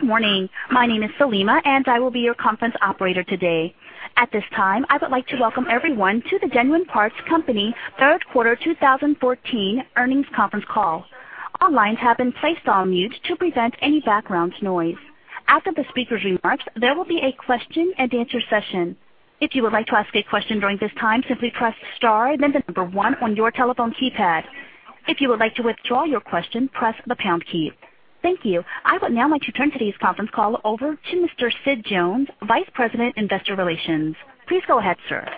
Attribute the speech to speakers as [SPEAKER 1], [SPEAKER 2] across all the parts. [SPEAKER 1] Good morning. My name is Saleema, and I will be your conference operator today. At this time, I would like to welcome everyone to the Genuine Parts Company third quarter 2014 earnings conference call. All lines have been placed on mute to prevent any background noise. After the speakers' remarks, there will be a question-and-answer session. If you would like to ask a question during this time, simply press star and then the number one on your telephone keypad. If you would like to withdraw your question, press the pound key. Thank you. I would now like to turn today's conference call over to Mr. Sid Jones, Vice President, Investor Relations. Please go ahead, sir.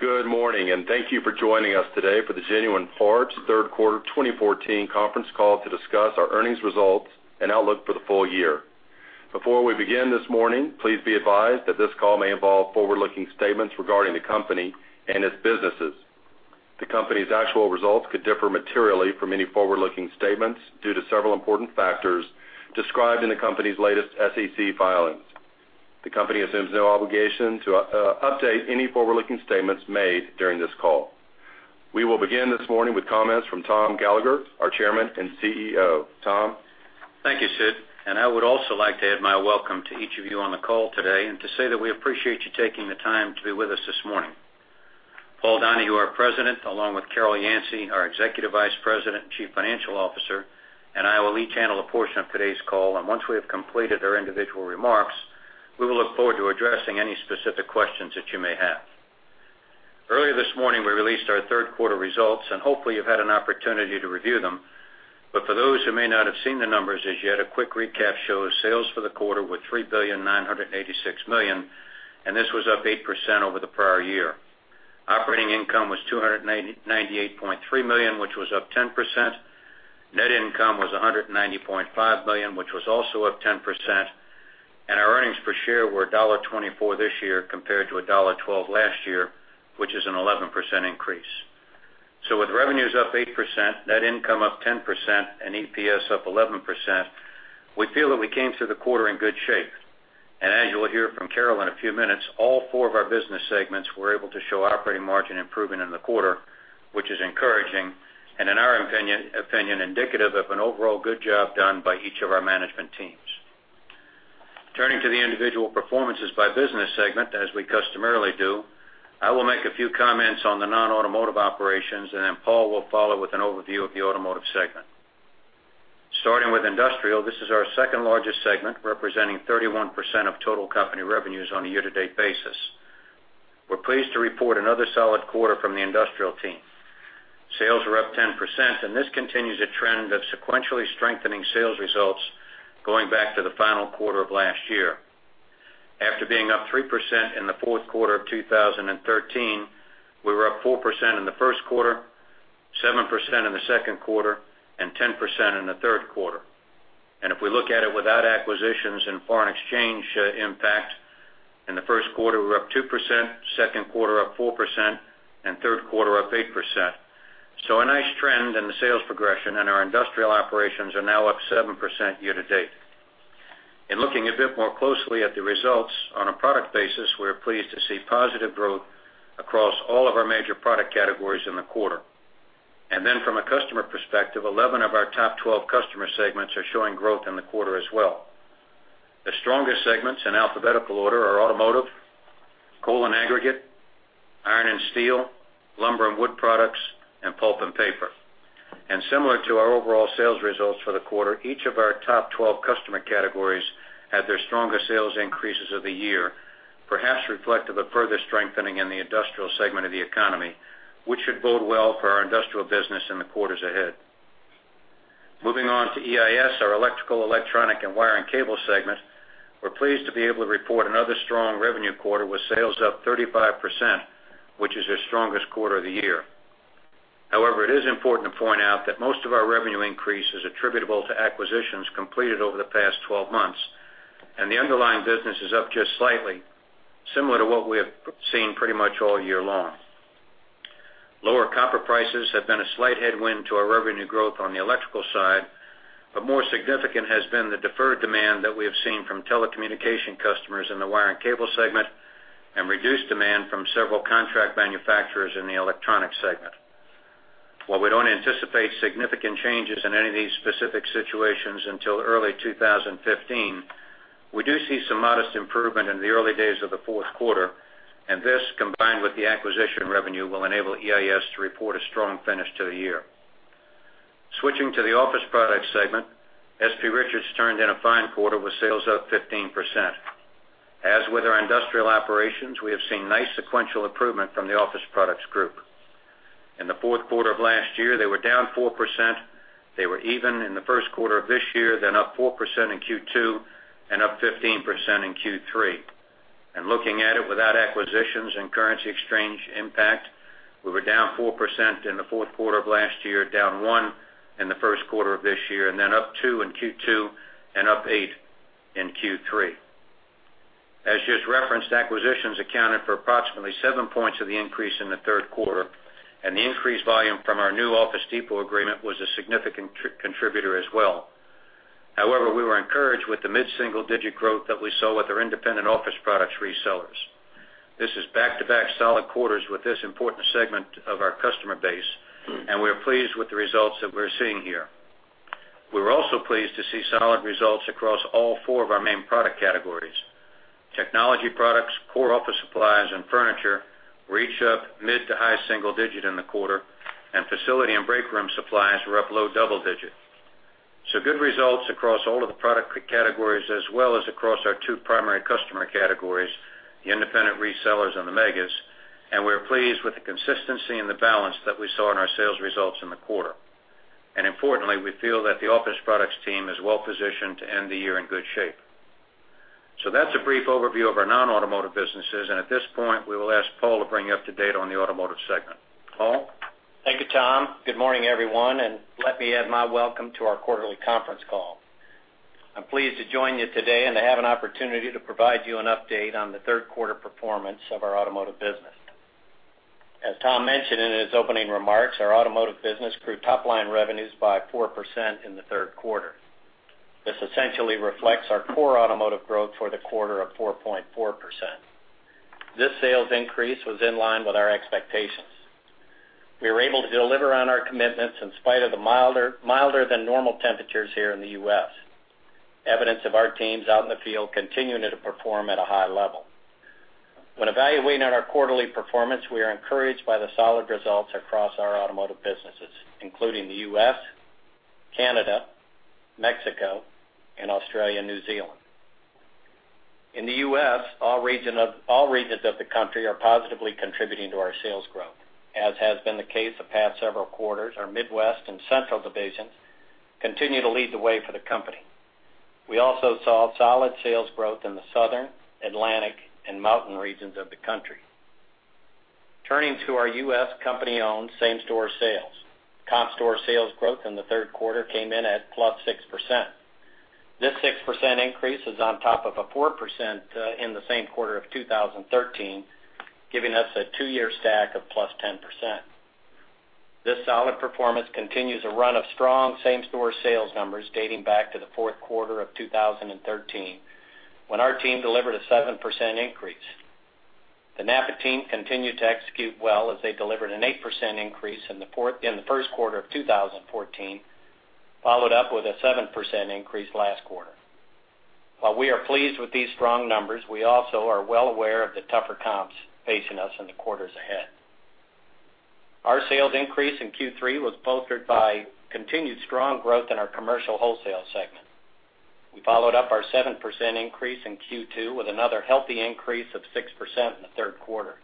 [SPEAKER 2] Good morning. Thank you for joining us today for the Genuine Parts third quarter 2014 conference call to discuss our earnings results and outlook for the full year. Before we begin this morning, please be advised that this call may involve forward-looking statements regarding the company and its businesses. The company's actual results could differ materially from any forward-looking statements due to several important factors described in the company's latest SEC filings. The company assumes no obligation to update any forward-looking statements made during this call. We will begin this morning with comments from Tom Gallagher, our Chairman and CEO. Tom?
[SPEAKER 3] Thank you, Sid. I would also like to add my welcome to each of you on the call today and to say that we appreciate you taking the time to be with us this morning. Paul Donahue, our President, along with Carol Yancey, our Executive Vice President and Chief Financial Officer, and I will each handle a portion of today's call. Once we have completed our individual remarks, we will look forward to addressing any specific questions that you may have. Earlier this morning, we released our third quarter results. Hopefully, you've had an opportunity to review them. For those who may not have seen the numbers as yet, a quick recap shows sales for the quarter were $3,986,000,000, and this was up 8% over the prior year. Operating income was $298.3 million, which was up 10%. Net income was $190.5 million, which was also up 10%. Our earnings per share were $1.24 this year, compared to $1.12 last year, which is an 11% increase. With revenues up 8%, net income up 10%, and EPS up 11%, we feel that we came through the quarter in good shape. As you will hear from Carol in a few minutes, all four of our business segments were able to show operating margin improvement in the quarter, which is encouraging and, in our opinion, indicative of an overall good job done by each of our management teams. Turning to the individual performances by business segment, as we customarily do, I will make a few comments on the non-automotive operations, and then Paul will follow with an overview of the automotive segment. Starting with industrial, this is our second-largest segment, representing 31% of total company revenues on a year-to-date basis. We're pleased to report another solid quarter from the industrial team. Sales were up 10%. This continues a trend of sequentially strengthening sales results going back to the final quarter of last year. After being up 3% in the fourth quarter of 2013, we were up 4% in the first quarter, 7% in the second quarter, and 10% in the third quarter. If we look at it without acquisitions and foreign exchange impact, in the first quarter, we're up 2%, second quarter up 4%, and third quarter up 8%. A nice trend in the sales progression, and our industrial operations are now up 7% year to date. In looking a bit more closely at the results on a product basis, we're pleased to see positive growth across all of our major product categories in the quarter. From a customer perspective, 11 of our top 12 customer segments are showing growth in the quarter as well. The strongest segments, in alphabetical order, are automotive, coal and aggregate, iron and steel, lumber and wood products, and pulp and paper. Similar to our overall sales results for the quarter, each of our top 12 customer categories had their strongest sales increases of the year, perhaps reflective of further strengthening in the industrial segment of the economy, which should bode well for our industrial business in the quarters ahead. Moving on to EIS, our electrical, electronic, and wiring cable segment, we're pleased to be able to report another strong revenue quarter with sales up 35%, which is their strongest quarter of the year. However, it is important to point out that most of our revenue increase is attributable to acquisitions completed over the past 12 months, and the underlying business is up just slightly, similar to what we have seen pretty much all year long. Lower copper prices have been a slight headwind to our revenue growth on the electrical side, but more significant has been the deferred demand that we have seen from telecommunication customers in the wire and cable segment and reduced demand from several contract manufacturers in the electronic segment. While we don't anticipate significant changes in any of these specific situations until early 2015, we do see some modest improvement in the early days of the fourth quarter. This, combined with the acquisition revenue, will enable EIS to report a strong finish to the year. Switching to the office product segment, S.P. Richards turned in a fine quarter with sales up 15%. As with our industrial operations, we have seen nice sequential improvement from the office products group. In the fourth quarter of last year, they were down 4%. They were even in the first quarter of this year, then up 4% in Q2 and up 15% in Q3. Looking at it without acquisitions and currency exchange impact, we were down 4% in the fourth quarter of last year, down 1% in the first quarter of this year, up 2% in Q2 and up 8% in Q3. As just referenced, acquisitions accounted for approximately seven points of the increase in the third quarter. The increased volume from our new Office Depot agreement was a significant contributor as well. However, we were encouraged with the mid-single-digit growth that we saw with our independent office products resellers. This is back-to-back solid quarters with this important segment of our customer base, and we're pleased with the results that we're seeing here. We're also pleased to see solid results across all four of our main product categories. Technology products, core office supplies, and furniture were each up mid to high single digit in the quarter, and facility and break room supplies were up low double digit. Good results across all of the product categories as well as across our two primary customer categories, the independent resellers and the megas. We are pleased with the consistency and the balance that we saw in our sales results in the quarter. Importantly, we feel that the Office Products team is well-positioned to end the year in good shape. That's a brief overview of our non-automotive businesses. At this point, we will ask Paul to bring you up to date on the automotive segment. Paul?
[SPEAKER 4] Thank you, Tom. Good morning, everyone. Let me add my welcome to our quarterly conference call. I'm pleased to join you today and to have an opportunity to provide you an update on the third quarter performance of our automotive business. As Tom mentioned in his opening remarks, our automotive business grew top-line revenues by 4% in the third quarter. This essentially reflects our core automotive growth for the quarter of 4.4%. This sales increase was in line with our expectations. We were able to deliver on our commitments in spite of the milder than normal temperatures here in the U.S., evidence of our teams out in the field continuing to perform at a high level. When evaluating on our quarterly performance, we are encouraged by the solid results across our automotive businesses, including the U.S., Canada, Mexico, and Australia, and New Zealand. In the U.S., all regions of the country are positively contributing to our sales growth. As has been the case the past several quarters, our Midwest and Central divisions continue to lead the way for the company. We also saw solid sales growth in the Southern, Atlantic, and Mountain regions of the country. Turning to our U.S. company-owned same-store sales. Comp store sales growth in the third quarter came in at +6%. This 6% increase is on top of a 4% in the same quarter of 2013, giving us a two-year stack of +10%. This solid performance continues a run of strong same-store sales numbers dating back to the fourth quarter of 2013, when our team delivered a 7% increase. The NAPA team continued to execute well as they delivered an 8% increase in the first quarter of 2014, followed up with a 7% increase last quarter. While we are pleased with these strong numbers, we also are well aware of the tougher comps facing us in the quarters ahead. Our sales increase in Q3 was bolstered by continued strong growth in our commercial wholesale segment. We followed up our 7% increase in Q2 with another healthy increase of 6% in the third quarter.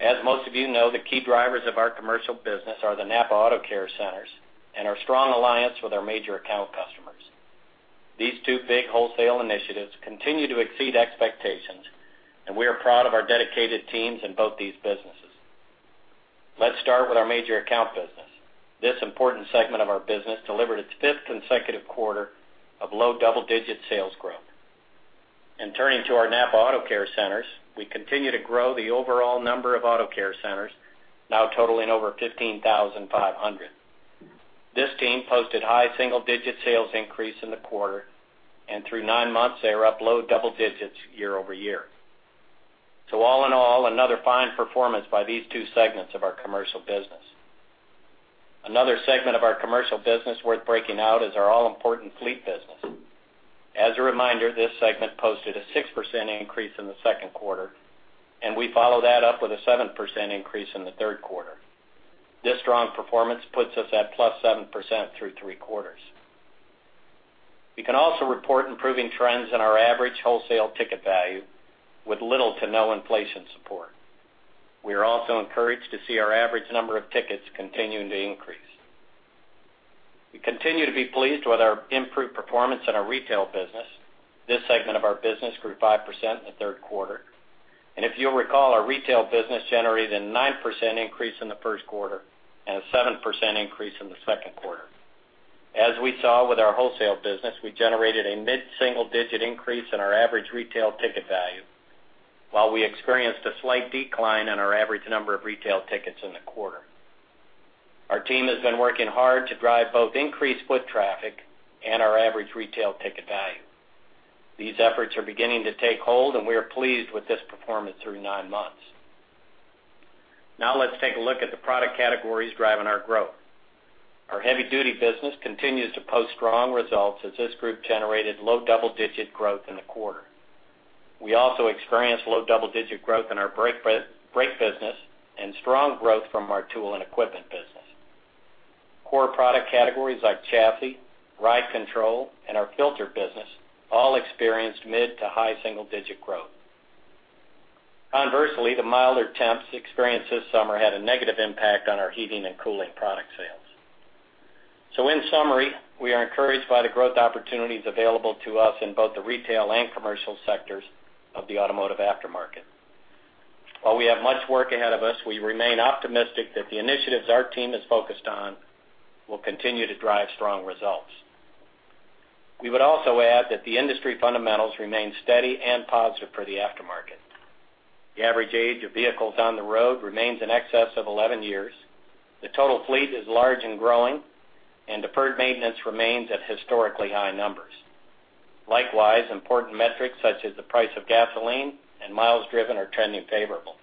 [SPEAKER 4] As most of you know, the key drivers of our commercial business are the NAPA AutoCare Centers and our strong alliance with our major account customers. These two big wholesale initiatives continue to exceed expectations, and we are proud of our dedicated teams in both these businesses. Let's start with our major account business. This important segment of our business delivered its fifth consecutive quarter of low double-digit sales growth. Turning to our NAPA AutoCare Centers, we continue to grow the overall number of auto care centers, now totaling over 15,500. This team posted high single-digit sales increase in the quarter, and through nine months, they are up low double digits year-over-year. All in all, another fine performance by these two segments of our commercial business. Another segment of our commercial business worth breaking out is our all-important fleet business. As a reminder, this segment posted a 6% increase in the second quarter, and we follow that up with a 7% increase in the third quarter. This strong performance puts us at +7% through three quarters. We can also report improving trends in our average wholesale ticket value with little to no inflation support. We are also encouraged to see our average number of tickets continuing to increase. We continue to be pleased with our improved performance in our retail business. This segment of our business grew 5% in the third quarter. If you'll recall, our retail business generated a 9% increase in the first quarter and a 7% increase in the second quarter. As we saw with our wholesale business, we generated a mid-single digit increase in our average retail ticket value, while we experienced a slight decline in our average number of retail tickets in the quarter. Our team has been working hard to drive both increased foot traffic and our average retail ticket value. These efforts are beginning to take hold, and we are pleased with this performance through nine months. Let's take a look at the product categories driving our growth. Our heavy-duty business continues to post strong results as this group generated low double-digit growth in the quarter. We also experienced low double-digit growth in our brake business and strong growth from our tool and equipment business. Core product categories like chassis, ride control, and our filter business all experienced mid to high single-digit growth. Conversely, the milder temps experienced this summer had a negative impact on our heating and cooling product sales. In summary, we are encouraged by the growth opportunities available to us in both the retail and commercial sectors of the automotive aftermarket. While we have much work ahead of us, we remain optimistic that the initiatives our team is focused on will continue to drive strong results. We would also add that the industry fundamentals remain steady and positive for the aftermarket. The average age of vehicles on the road remains in excess of 11 years. The total fleet is large and growing. Deferred maintenance remains at historically high numbers. Likewise, important metrics such as the price of gasoline and miles driven are trending favorable.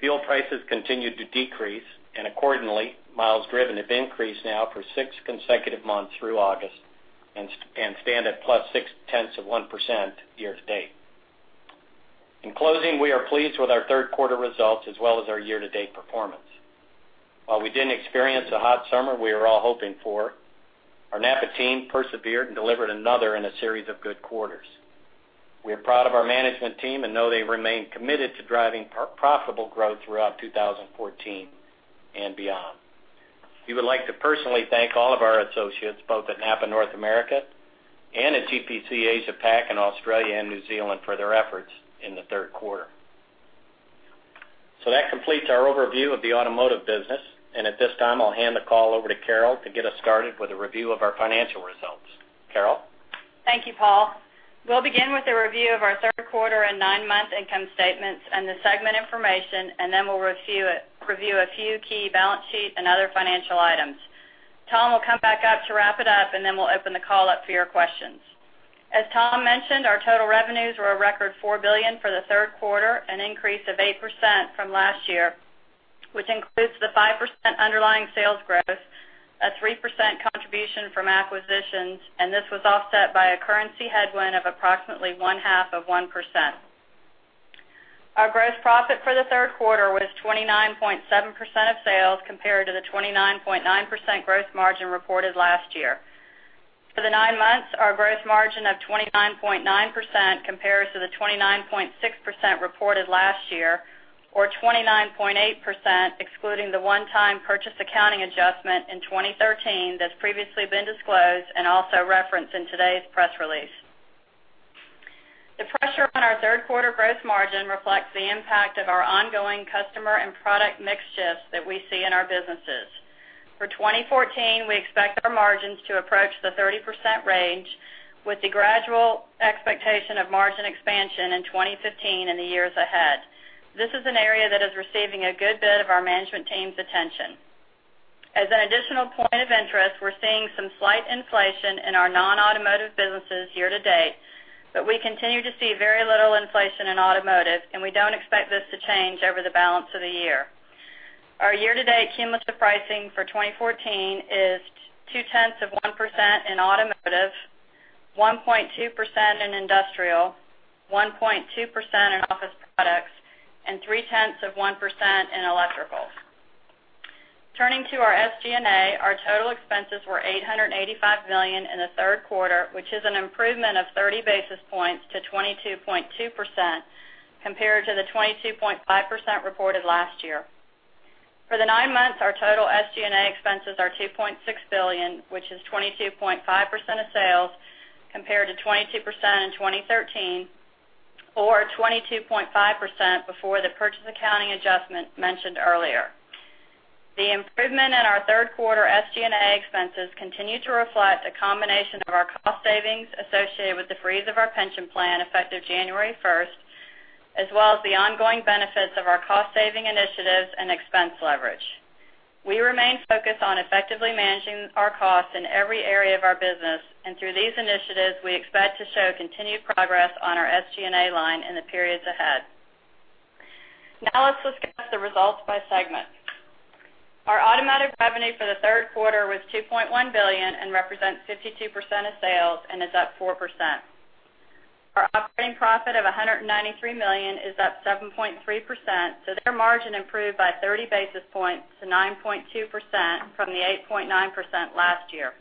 [SPEAKER 4] Fuel prices continued to decrease. Accordingly, miles driven have increased now for six consecutive months through August and stand at +0.6% year-to-date. In closing, we are pleased with our third quarter results as well as our year-to-date performance. While we didn't experience the hot summer we were all hoping for, our NAPA team persevered and delivered another in a series of good quarters. We are proud of our management team and know they remain committed to driving profitable growth throughout 2014 and beyond. We would like to personally thank all of our associates, both at NAPA North America and at GPC Asia Pac and Australia and New Zealand for their efforts in the third quarter. That completes our overview of the automotive business. At this time, I'll hand the call over to Carol to get us started with a review of our financial results. Carol?
[SPEAKER 5] Thank you, Paul. We'll begin with a review of our third quarter and nine-month income statements and the segment information. Then we'll review a few key balance sheet and other financial items. Tom will come back up to wrap it up. Then we'll open the call up for your questions. As Tom mentioned, our total revenues were a record $4 billion for the third quarter, an increase of 8% from last year, which includes the 5% underlying sales growth, a 3% contribution from acquisitions, and this was offset by a currency headwind of approximately one-half of 1%. Our gross profit for the third quarter was 29.7% of sales, compared to the 29.9% gross margin reported last year. For the nine months, our gross margin of 29.9% compares to the 29.6% reported last year, or 29.8%, excluding the one-time purchase accounting adjustment in 2013 that's previously been disclosed and also referenced in today's press release. The pressure on our third quarter gross margin reflects the impact of our ongoing customer and product mix shifts that we see in our businesses. For 2014, we expect our margins to approach the 30% range, with the gradual expectation of margin expansion in 2015 and the years ahead. This is an area that is receiving a good bit of our management team's attention. As an additional point of interest, we're seeing some slight inflation in our non-automotive businesses year-to-date. We continue to see very little inflation in automotive, and we don't expect this to change over the balance of the year. Our year-to-date cumulative pricing for 2014 is 0.2% in automotive, 1.2% in industrial, 1.2% in office products, and 0.3% in electrical. Turning to our SG&A, our total expenses were $885 million in the third quarter, which is an improvement of 30 basis points to 22.2%, compared to the 22.5% reported last year. For the nine months, our total SG&A expenses are $2.6 billion, which is 22.5% of sales, compared to 22% in 2013, or 22.5% before the purchase accounting adjustment mentioned earlier. The improvement in our third quarter SG&A expenses continue to reflect a combination of our cost savings associated with the freeze of our pension plan effective January 1st, as well as the ongoing benefits of our cost-saving initiatives and expense leverage. We remain focused on effectively managing our costs in every area of our business, and through these initiatives, we expect to show continued progress on our SG&A line in the periods ahead. Let's discuss the results by segment. Our automotive revenue for the third quarter was $2.1 billion and represents 52% of sales and is up 4%. Our operating profit of $193 million is up 7.3%. Their margin improved by 30 basis points to 9.2% from the 8.9% last year.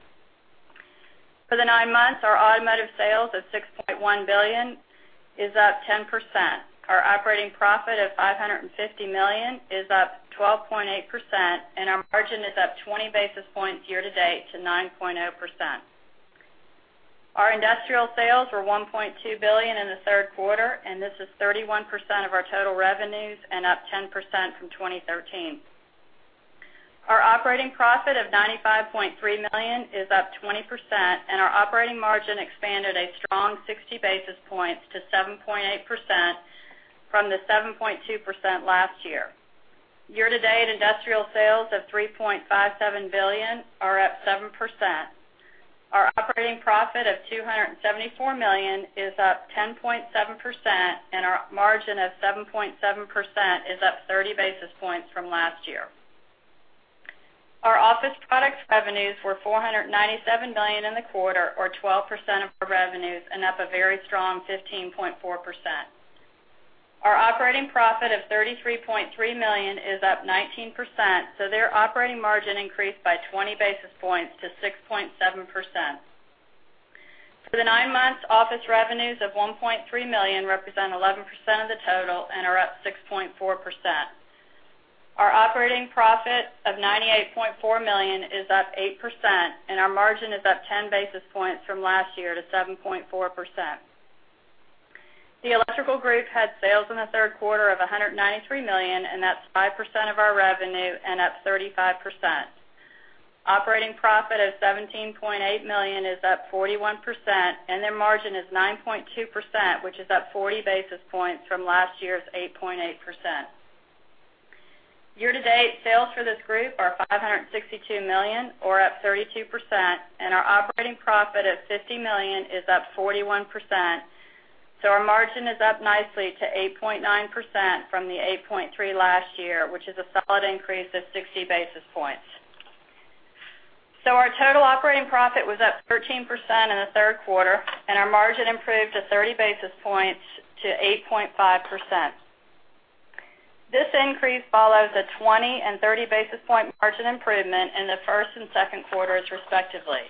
[SPEAKER 5] For the nine months, our automotive sales of $6.1 billion is up 10%. Our operating profit of $550 million is up 12.8%, and our margin is up 20 basis points year-to-date to 9.0%. Our industrial sales were $1.2 billion in the third quarter, and this is 31% of our total revenues and up 10% from 2013. Our operating profit of $95.3 million is up 20%, and our operating margin expanded a strong 60 basis points to 7.8% from the 7.2% last year. Year-to-date, industrial sales of $3.57 billion are up 7%. Our operating profit of $274 million is up 10.7%, and our margin of 7.7% is up 30 basis points from last year. Our office products revenues were $497 million in the quarter, or 12% of our revenues, and up a very strong 15.4%. Our operating profit of $33.3 million is up 19%. Their operating margin increased by 20 basis points to 6.7%. For the nine months, office revenues of $1.3 billion represent 11% of the total and are up 6.4%. Our operating profit of $98.4 million is up 8%, and our margin is up 10 basis points from last year to 7.4%. The electrical group had sales in the third quarter of $193 million, and that's 5% of our revenue and up 35%. Operating profit of $17.8 million is up 41%, and their margin is 9.2%, which is up 40 basis points from last year's 8.8%. Year-to-date sales for this group are $562 million, or up 32%, and our operating profit of $50 million is up 41%. Our margin is up nicely to 8.9% from the 8.3% last year, which is a solid increase of 60 basis points. Our total operating profit was up 13% in the third quarter, and our margin improved to 30 basis points to 8.5%. This increase follows a 20 and 30 basis point margin improvement in the first and second quarters, respectively.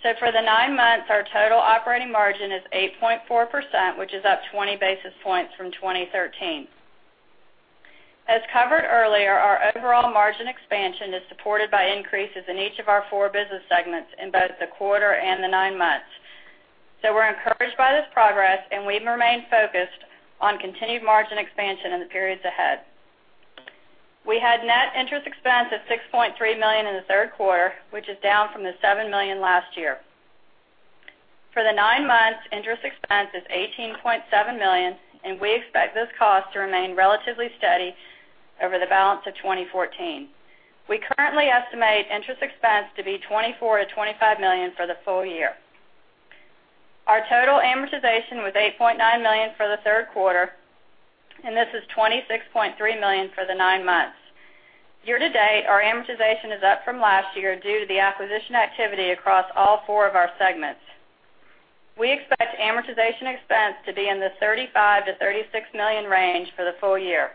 [SPEAKER 5] For the nine months, our total operating margin is 8.4%, which is up 20 basis points from 2013. As covered earlier, our overall margin expansion is supported by increases in each of our four business segments in both the quarter and the nine months. We're encouraged by this progress, and we remain focused on continued margin expansion in the periods ahead. We had net interest expense of $6.3 million in the third quarter, which is down from the $7 million last year. For the nine months, interest expense is $18.7 million, and we expect this cost to remain relatively steady over the balance of 2014. We currently estimate interest expense to be $24 million-$25 million for the full year. Our total amortization was $8.9 million for the third quarter, and this is $26.3 million for the nine months. Year-to-date, our amortization is up from last year due to the acquisition activity across all four of our segments. We expect amortization expense to be in the $35 million-$36 million range for the full year.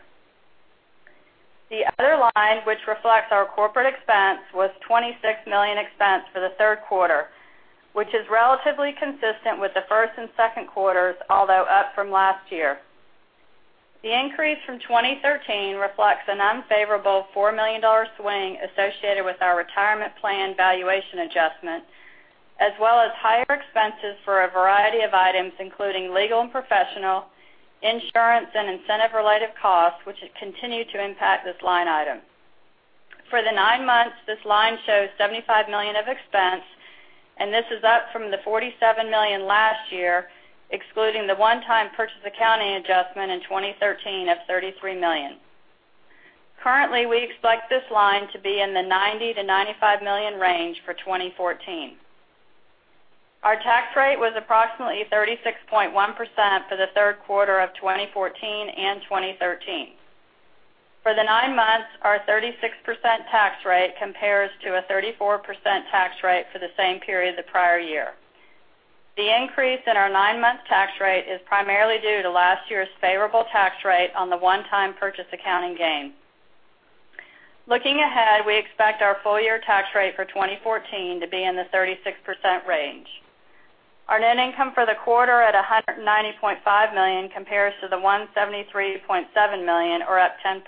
[SPEAKER 5] The other line, which reflects our corporate expense, was $26 million expense for the third quarter, which is relatively consistent with the first and second quarters, although up from last year. The increase from 2013 reflects an unfavorable $4 million swing associated with our retirement plan valuation adjustment, as well as higher expenses for a variety of items, including legal and professional, insurance, and incentive-related costs, which continue to impact this line item. For the nine months, this line shows $75 million of expense, and this is up from the $47 million last year, excluding the one-time purchase accounting adjustment in 2013 of $33 million. Currently, we expect this line to be in the $90 million-$95 million range for 2014. Our tax rate was approximately 36.1% for the third quarter of 2014 and 2013. For the nine months, our 36% tax rate compares to a 34% tax rate for the same period the prior year. The increase in our nine-month tax rate is primarily due to last year's favorable tax rate on the one-time purchase accounting gain. Looking ahead, we expect our full-year tax rate for 2014 to be in the 36% range. Our net income for the quarter at $190.5 million compares to the $173.7 million, or up 10%.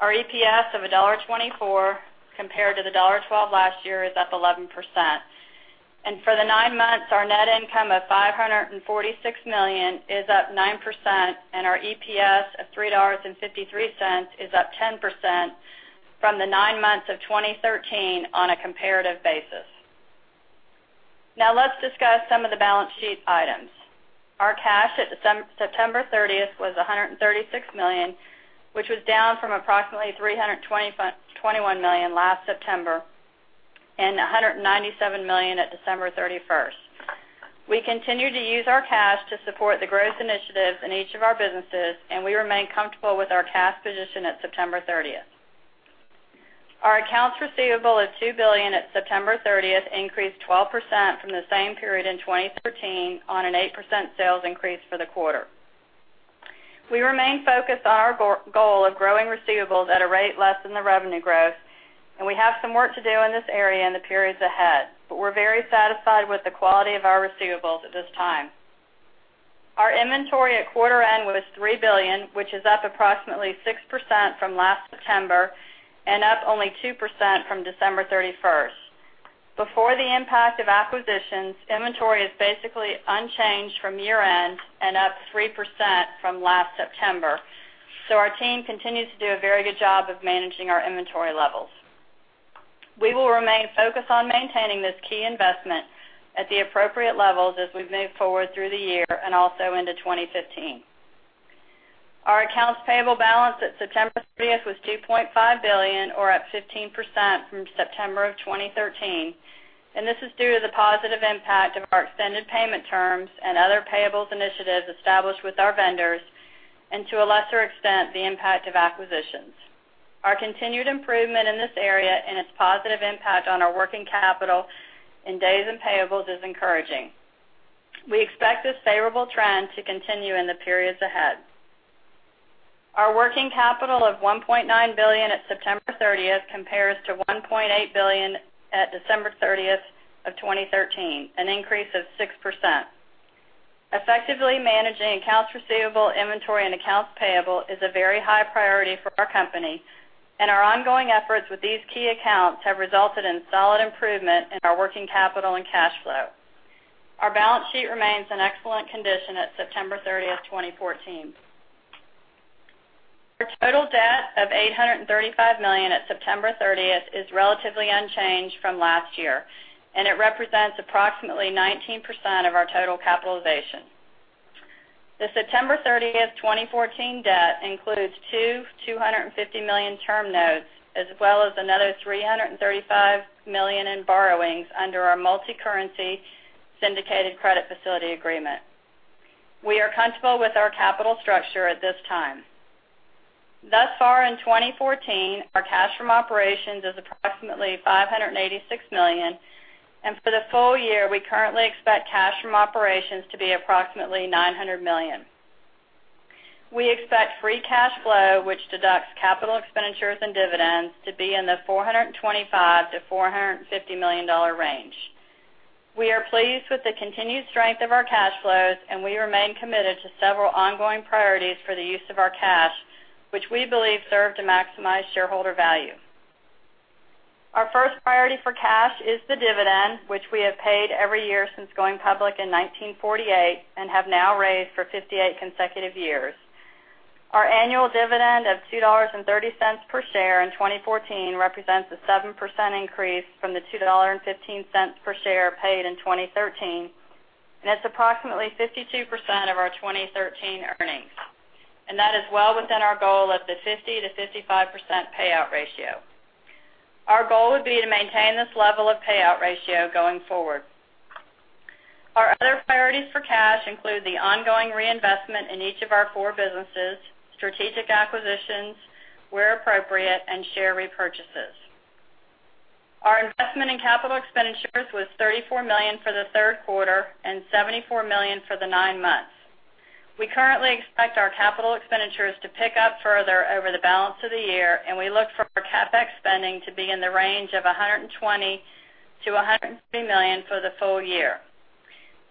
[SPEAKER 5] Our EPS of $1.24 compared to the $1.12 last year is up 11%. For the nine months, our net income of $546 million is up 9%, and our EPS of $3.53 is up 10% from the nine months of 2013 on a comparative basis. Let's discuss some of the balance sheet items. Our cash at September 30th was $136 million, which was down from approximately $321 million last September and $197 million at December 31st. We continue to use our cash to support the growth initiatives in each of our businesses, and we remain comfortable with our cash position at September 30th. Our accounts receivable is $2 billion at September 30th, increased 12% from the same period in 2013 on an 8% sales increase for the quarter. We remain focused on our goal of growing receivables at a rate less than the revenue growth, and we have some work to do in this area in the periods ahead. We're very satisfied with the quality of our receivables at this time. Our inventory at quarter end was $3 billion, which is up approximately 6% from last September and up only 2% from December 31st. Before the impact of acquisitions, inventory is basically unchanged from year-end and up 3% from last September. Our team continues to do a very good job of managing our inventory levels. We will remain focused on maintaining this key investment at the appropriate levels as we move forward through the year and also into 2015. Our accounts payable balance at September 30th was $2.5 billion, or up 15% from September 2013, and this is due to the positive impact of our extended payment terms and other payables initiatives established with our vendors and, to a lesser extent, the impact of acquisitions. Our continued improvement in this area and its positive impact on our working capital in days and payables is encouraging. We expect this favorable trend to continue in the periods ahead. Our working capital of $1.9 billion at September 30th compares to $1.8 billion at December 30th of 2013, an increase of 6%. Effectively managing accounts receivable, inventory, and accounts payable is a very high priority for our company, and our ongoing efforts with these key accounts have resulted in solid improvement in our working capital and cash flow. Our balance sheet remains in excellent condition at September 30th, 2014. Our total debt of $835 million at September 30th is relatively unchanged from last year, and it represents approximately 19% of our total capitalization. The September 30th, 2014 debt includes two $250 million term notes, as well as another $335 million in borrowings under our multi-currency syndicated credit facility agreement. We are comfortable with our capital structure at this time. Thus far in 2014, our cash from operations is approximately $586 million, and for the full year, we currently expect cash from operations to be approximately $900 million. We expect free cash flow, which deducts capital expenditures and dividends, to be in the $425 million-$450 million range. We are pleased with the continued strength of our cash flows, and we remain committed to several ongoing priorities for the use of our cash, which we believe serve to maximize shareholder value. Our first priority for cash is the dividend, which we have paid every year since going public in 1948, and have now raised for 58 consecutive years. Our annual dividend of $2.30 per share in 2014 represents a 7% increase from the $2.15 per share paid in 2013, and it is approximately 52% of our 2013 earnings. That is well within our goal of the 50%-55% payout ratio. Our goal would be to maintain this level of payout ratio going forward. Our other priorities for cash include the ongoing reinvestment in each of our four businesses, strategic acquisitions where appropriate, and share repurchases. Our investment in capital expenditures was $34 million for the third quarter and $74 million for the nine months. We currently expect our capital expenditures to pick up further over the balance of the year, and we look for CapEx spending to be in the range of $120 million-$130 million for the full year.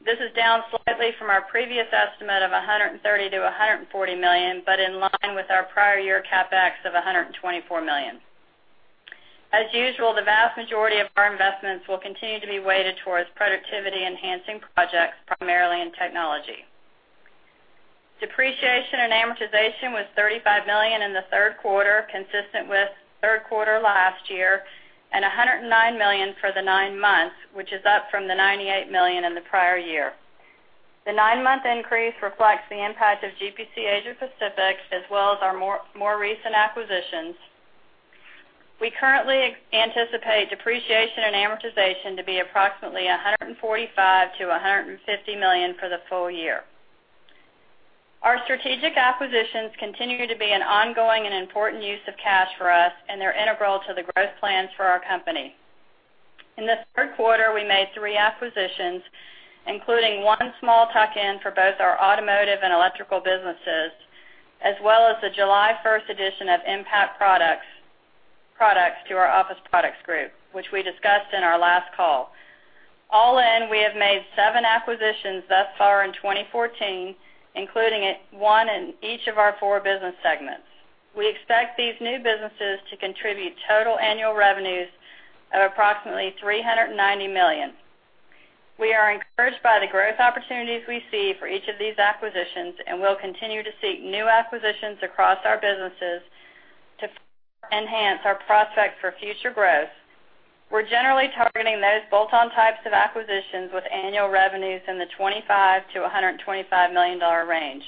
[SPEAKER 5] This is down slightly from our previous estimate of $130 million-$140 million, but in line with our prior year CapEx of $124 million. As usual, the vast majority of our investments will continue to be weighted towards productivity-enhancing projects, primarily in technology. Depreciation and amortization was $35 million in the third quarter, consistent with third quarter last year, and $109 million for the nine months, which is up from the $98 million in the prior year. The nine-month increase reflects the impact of GPC Asia Pacific, as well as our more recent acquisitions. We currently anticipate depreciation and amortization to be approximately $145 million-$150 million for the full year. Our strategic acquisitions continue to be an ongoing and important use of cash for us, and they're integral to the growth plans for our company. In the third quarter, we made three acquisitions, including one small tuck-in for both our automotive and electrical businesses, as well as the July 1st addition of Impact Products to our Office Products group, which we discussed in our last call. All in, we have made seven acquisitions thus far in 2014, including one in each of our four business segments. We expect these new businesses to contribute total annual revenues of approximately $390 million. We are encouraged by the growth opportunities we see for each of these acquisitions, and we'll continue to seek new acquisitions across our businesses to enhance our prospects for future growth. We're generally targeting those bolt-on types of acquisitions with annual revenues in the $25 million-$125 million range.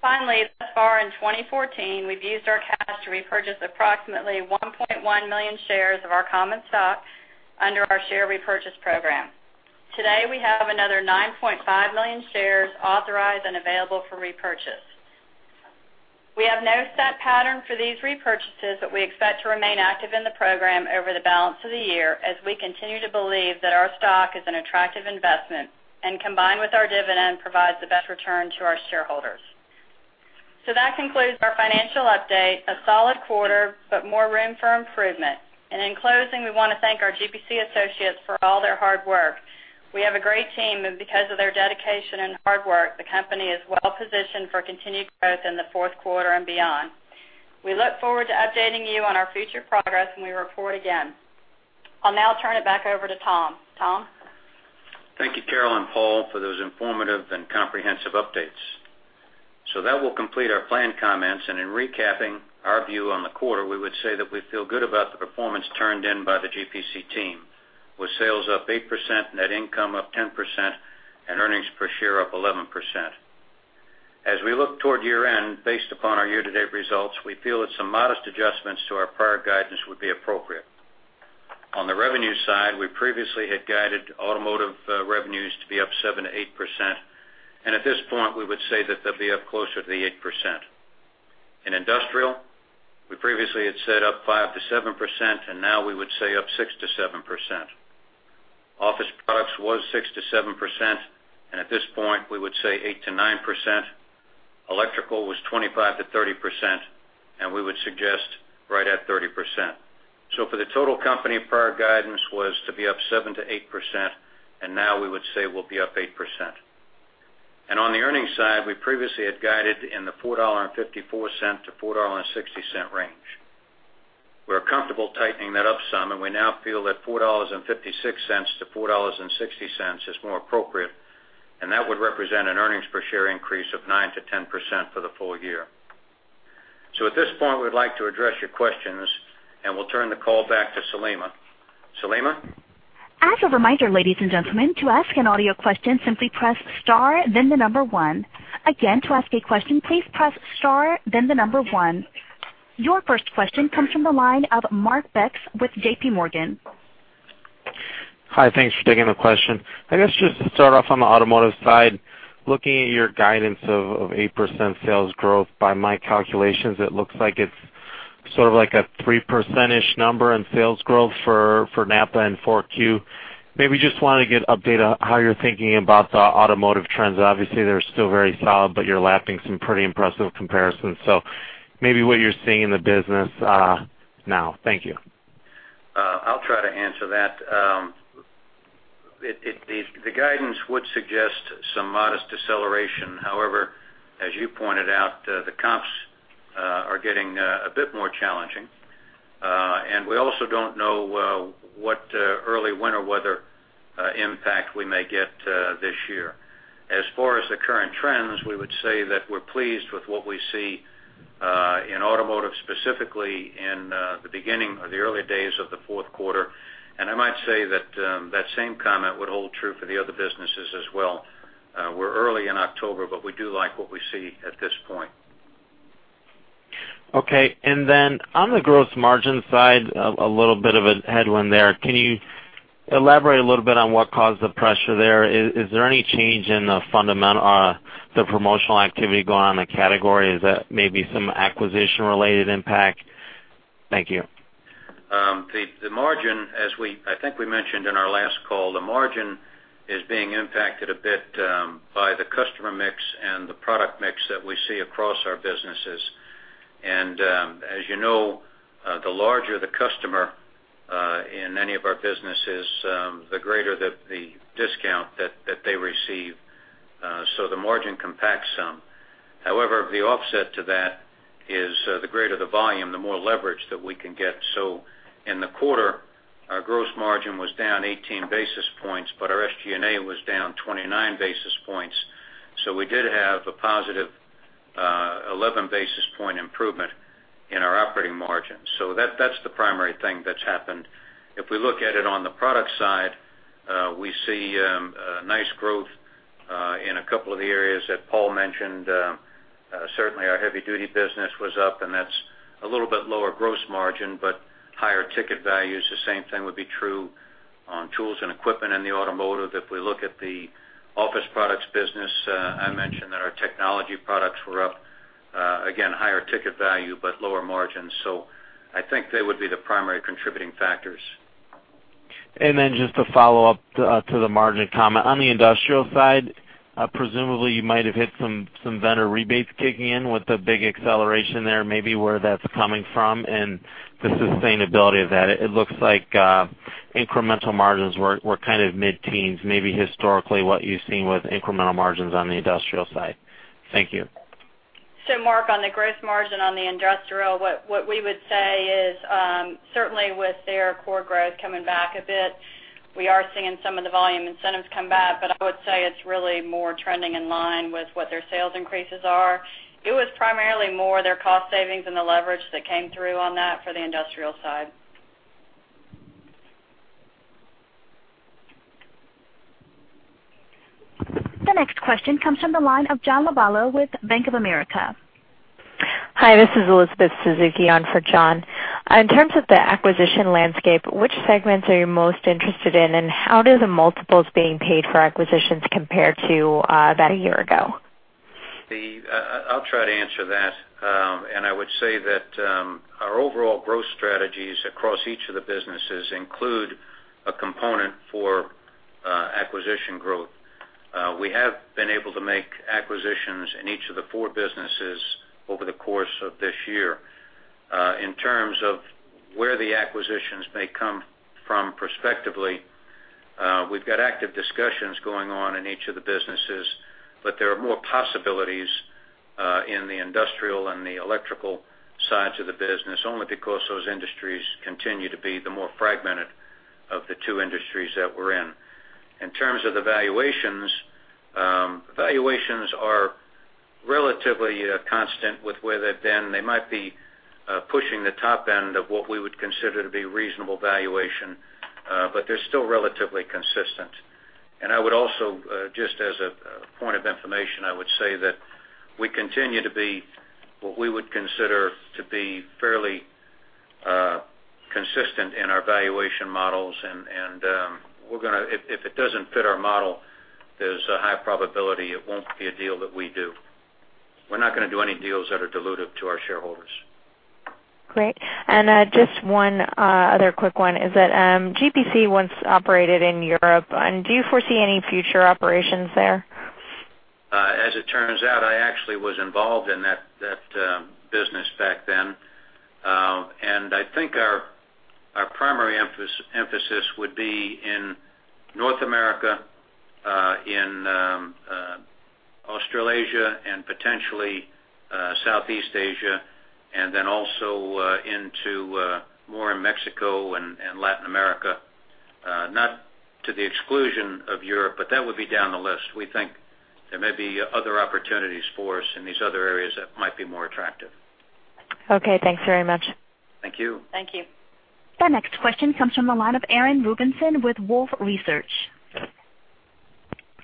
[SPEAKER 5] Finally, thus far in 2014, we've used our cash to repurchase approximately 1.1 million shares of our common stock under our share repurchase program. Today, we have another 9.5 million shares authorized and available for repurchase. We have no set pattern for these repurchases, but we expect to remain active in the program over the balance of the year as we continue to believe that our stock is an attractive investment, and combined with our dividend, provides the best return to our shareholders. That concludes our financial update. A solid quarter, but more room for improvement. In closing, we want to thank our GPC associates for all their hard work. We have a great team, and because of their dedication and hard work, the company is well positioned for continued growth in the fourth quarter and beyond. We look forward to updating you on our future progress when we report again. I'll now turn it back over to Tom. Tom?
[SPEAKER 3] Thank you, Carol and Paul, for those informative and comprehensive updates. That will complete our planned comments. In recapping our view on the quarter, we would say that we feel good about the performance turned in by the GPC team, with sales up 8%, net income up 10%, and earnings per share up 11%. As we look toward year-end, based upon our year-to-date results, we feel that some modest adjustments to our prior guidance would be appropriate. On the revenue side, we previously had guided automotive revenues to be up 7%-8%, and at this point, we would say that they'll be up closer to the 8%. In industrial, we previously had said up 5%-7%, and now we would say up 6%-7%. Office Products was 6%-7%, and at this point, we would say 8%-9%. Electrical was 25%-30%, and we would suggest right at 30%. For the total company, prior guidance was to be up 7%-8%, and now we would say we'll be up 8%. On the earnings side, we previously had guided in the $4.54-$4.60 range. We're comfortable tightening that up some, and we now feel that $4.56-$4.60 is more appropriate, and that would represent an earnings per share increase of 9%-10% for the full year. At this point, we'd like to address your questions, and we'll turn the call back to Saleema. Saleema?
[SPEAKER 1] As a reminder ladies and gentlemen, to ask an audio question, simply press star then the number 1. Again, to ask a question, please press star then the number 1. Your first question comes from the line of Mark Becks with J.P. Morgan.
[SPEAKER 6] Hi, thanks for taking the question. I guess, just to start off on the automotive side, looking at your guidance of 8% sales growth, by my calculations, it looks like it's sort of like a 3 percentage number in sales growth for NAPA in 4Q. Maybe just want to get update on how you're thinking about the automotive trends. Obviously, they're still very solid, but you're lapping some pretty impressive comparisons. Maybe what you're seeing in the business now. Thank you.
[SPEAKER 3] I'll try to answer that. The guidance would suggest some modest deceleration. However, as you pointed out, the comps are getting a bit more challenging. We also don't know what early winter weather impact we may get this year. As far as the current trends, we would say that we're pleased with what we see, in automotive, specifically in the beginning or the early days of the fourth quarter, I might say that same comment would hold true for the other businesses as well. We're early in October, but we do like what we see at this point.
[SPEAKER 6] Okay. Then on the gross margin side, a little bit of a headwind there. Can you elaborate a little bit on what caused the pressure there? Is there any change in the promotional activity going on in the category? Is that maybe some acquisition-related impact? Thank you.
[SPEAKER 3] The margin, as I think we mentioned in our last call, the margin is being impacted a bit by the customer mix and the product mix that we see across our businesses. As you know, the larger the customer, in any of our businesses, the greater the discount that they receive. The margin can pack some. However, the offset to that is, the greater the volume, the more leverage that we can get. In the quarter, our gross margin was down 18 basis points, but our SG&A was down 29 basis points. We did have a positive 11 basis point improvement in our operating margin. That's the primary thing that's happened. If we look at it on the product side, we see nice growth, in a couple of the areas that Paul mentioned. Certainly, our heavy-duty business was up, and that's a little bit lower gross margin, but higher ticket values. The same thing would be true on tools and equipment in the automotive. If we look at the office products business, I mentioned that our technology products were up, again, higher ticket value, but lower margins. I think they would be the primary contributing factors.
[SPEAKER 6] Then just to follow up to the margin comment. On the industrial side, presumably, you might have hit some vendor rebates kicking in with the big acceleration there, maybe where that's coming from and the sustainability of that. It looks like incremental margins were kind of mid-teens, maybe historically what you've seen with incremental margins on the industrial side. Thank you.
[SPEAKER 5] Mark, on the gross margin on the industrial, what we would say is, certainly with their core growth coming back a bit, we are seeing some of the volume incentives come back. I would say it's really more trending in line with what their sales increases are. It was primarily more their cost savings and the leverage that came through on that for the industrial side.
[SPEAKER 1] The next question comes from the line of John Lovallo with Bank of America.
[SPEAKER 7] Hi, this is Elizabeth Suzuki on for John. In terms of the acquisition landscape, which segments are you most interested in, and how do the multiples being paid for acquisitions compare to that a year ago?
[SPEAKER 3] I'll try to answer that. I would say that our overall growth strategies across each of the businesses include a component for acquisition growth. We have been able to make acquisitions in each of the four businesses over the course of this year. In terms of where the acquisitions may come from prospectively, we've got active discussions going on in each of the businesses, but there are more possibilities, in the industrial and the electrical sides of the business, only because those industries continue to be the more fragmented of the two industries that we're in. In terms of the valuations are relatively constant with where they've been. They might be pushing the top end of what we would consider to be reasonable valuation, but they're still relatively consistent. I would also, just as a point of information, I would say that we continue to be what we would consider to be fairly consistent in our valuation models. If it doesn't fit our model, there's a high probability it won't be a deal that we do. We're not going to do any deals that are dilutive to our shareholders.
[SPEAKER 7] Great. Just one other quick one is that, GPC once operated in Europe. Do you foresee any future operations there?
[SPEAKER 3] As it turns out, I actually was involved in that business back then. I think our primary emphasis would be in North America, in Australasia, and potentially, Southeast Asia, then also into more in Mexico and Latin America. Not to the exclusion of Europe, but that would be down the list. We think there may be other opportunities for us in these other areas that might be more attractive.
[SPEAKER 7] Okay, thanks very much.
[SPEAKER 3] Thank you.
[SPEAKER 5] Thank you.
[SPEAKER 1] The next question comes from the line of Aaron Rubenson with Wolfe Research.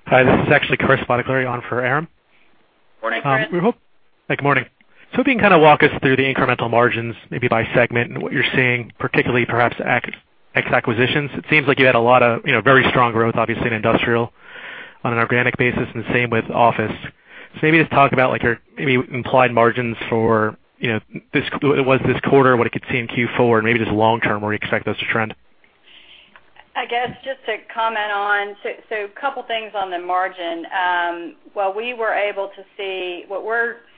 [SPEAKER 8] Hi, this is actually Chris Spadicleri on for Aaron.
[SPEAKER 3] Morning, Chris.
[SPEAKER 8] Hi, good morning. If you can walk us through the incremental margins, maybe by segment and what you're seeing, particularly perhaps ex-acquisitions. It seems like you had a lot of very strong growth, obviously, in industrial on an organic basis, and the same with office. Maybe just talk about your maybe implied margins for what it was this quarter, what it could see in Q4, and maybe just long term, where you expect those to trend.
[SPEAKER 5] Couple things on the margin. What we're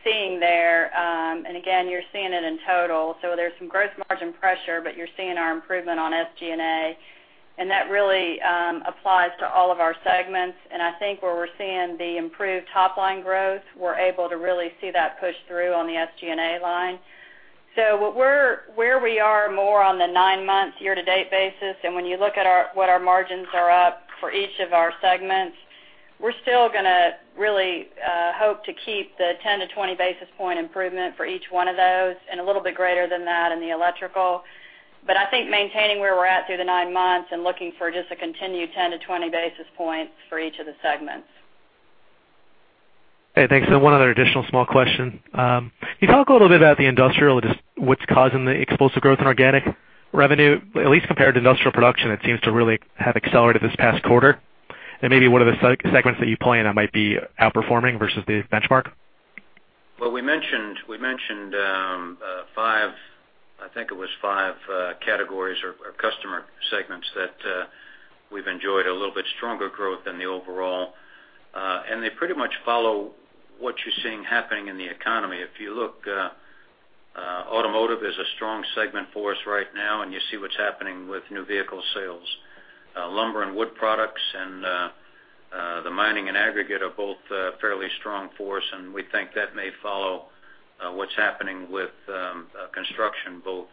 [SPEAKER 5] seeing there, and again, you're seeing it in total, there's some gross margin pressure, but you're seeing our improvement on SG&A, and that really applies to all of our segments. I think where we're seeing the improved top-line growth, we're able to really see that push through on the SG&A line. Where we are more on the nine-month year-to-date basis, and when you look at what our margins are up for each of our segments, we're still going to really hope to keep the 10 to 20 basis point improvement for each one of those, and a little bit greater than that in the electrical. I think maintaining where we're at through the nine months and looking for just a continued 10 to 20 basis points for each of the segments.
[SPEAKER 8] Okay, thanks. One other additional small question. Can you talk a little bit about the industrial, just what's causing the explosive growth in organic revenue, at least compared to industrial production? It seems to really have accelerated this past quarter. Maybe what are the segments that you point out might be outperforming versus the benchmark?
[SPEAKER 3] Well, we mentioned five, I think it was five categories or customer segments that we've enjoyed a little bit stronger growth than the overall. They pretty much follow what you're seeing happening in the economy. If you look, automotive is a strong segment for us right now, and you see what's happening with new vehicle sales. Lumber and wood products and the mining and aggregate are both fairly strong for us, and we think that may follow what's happening with construction, both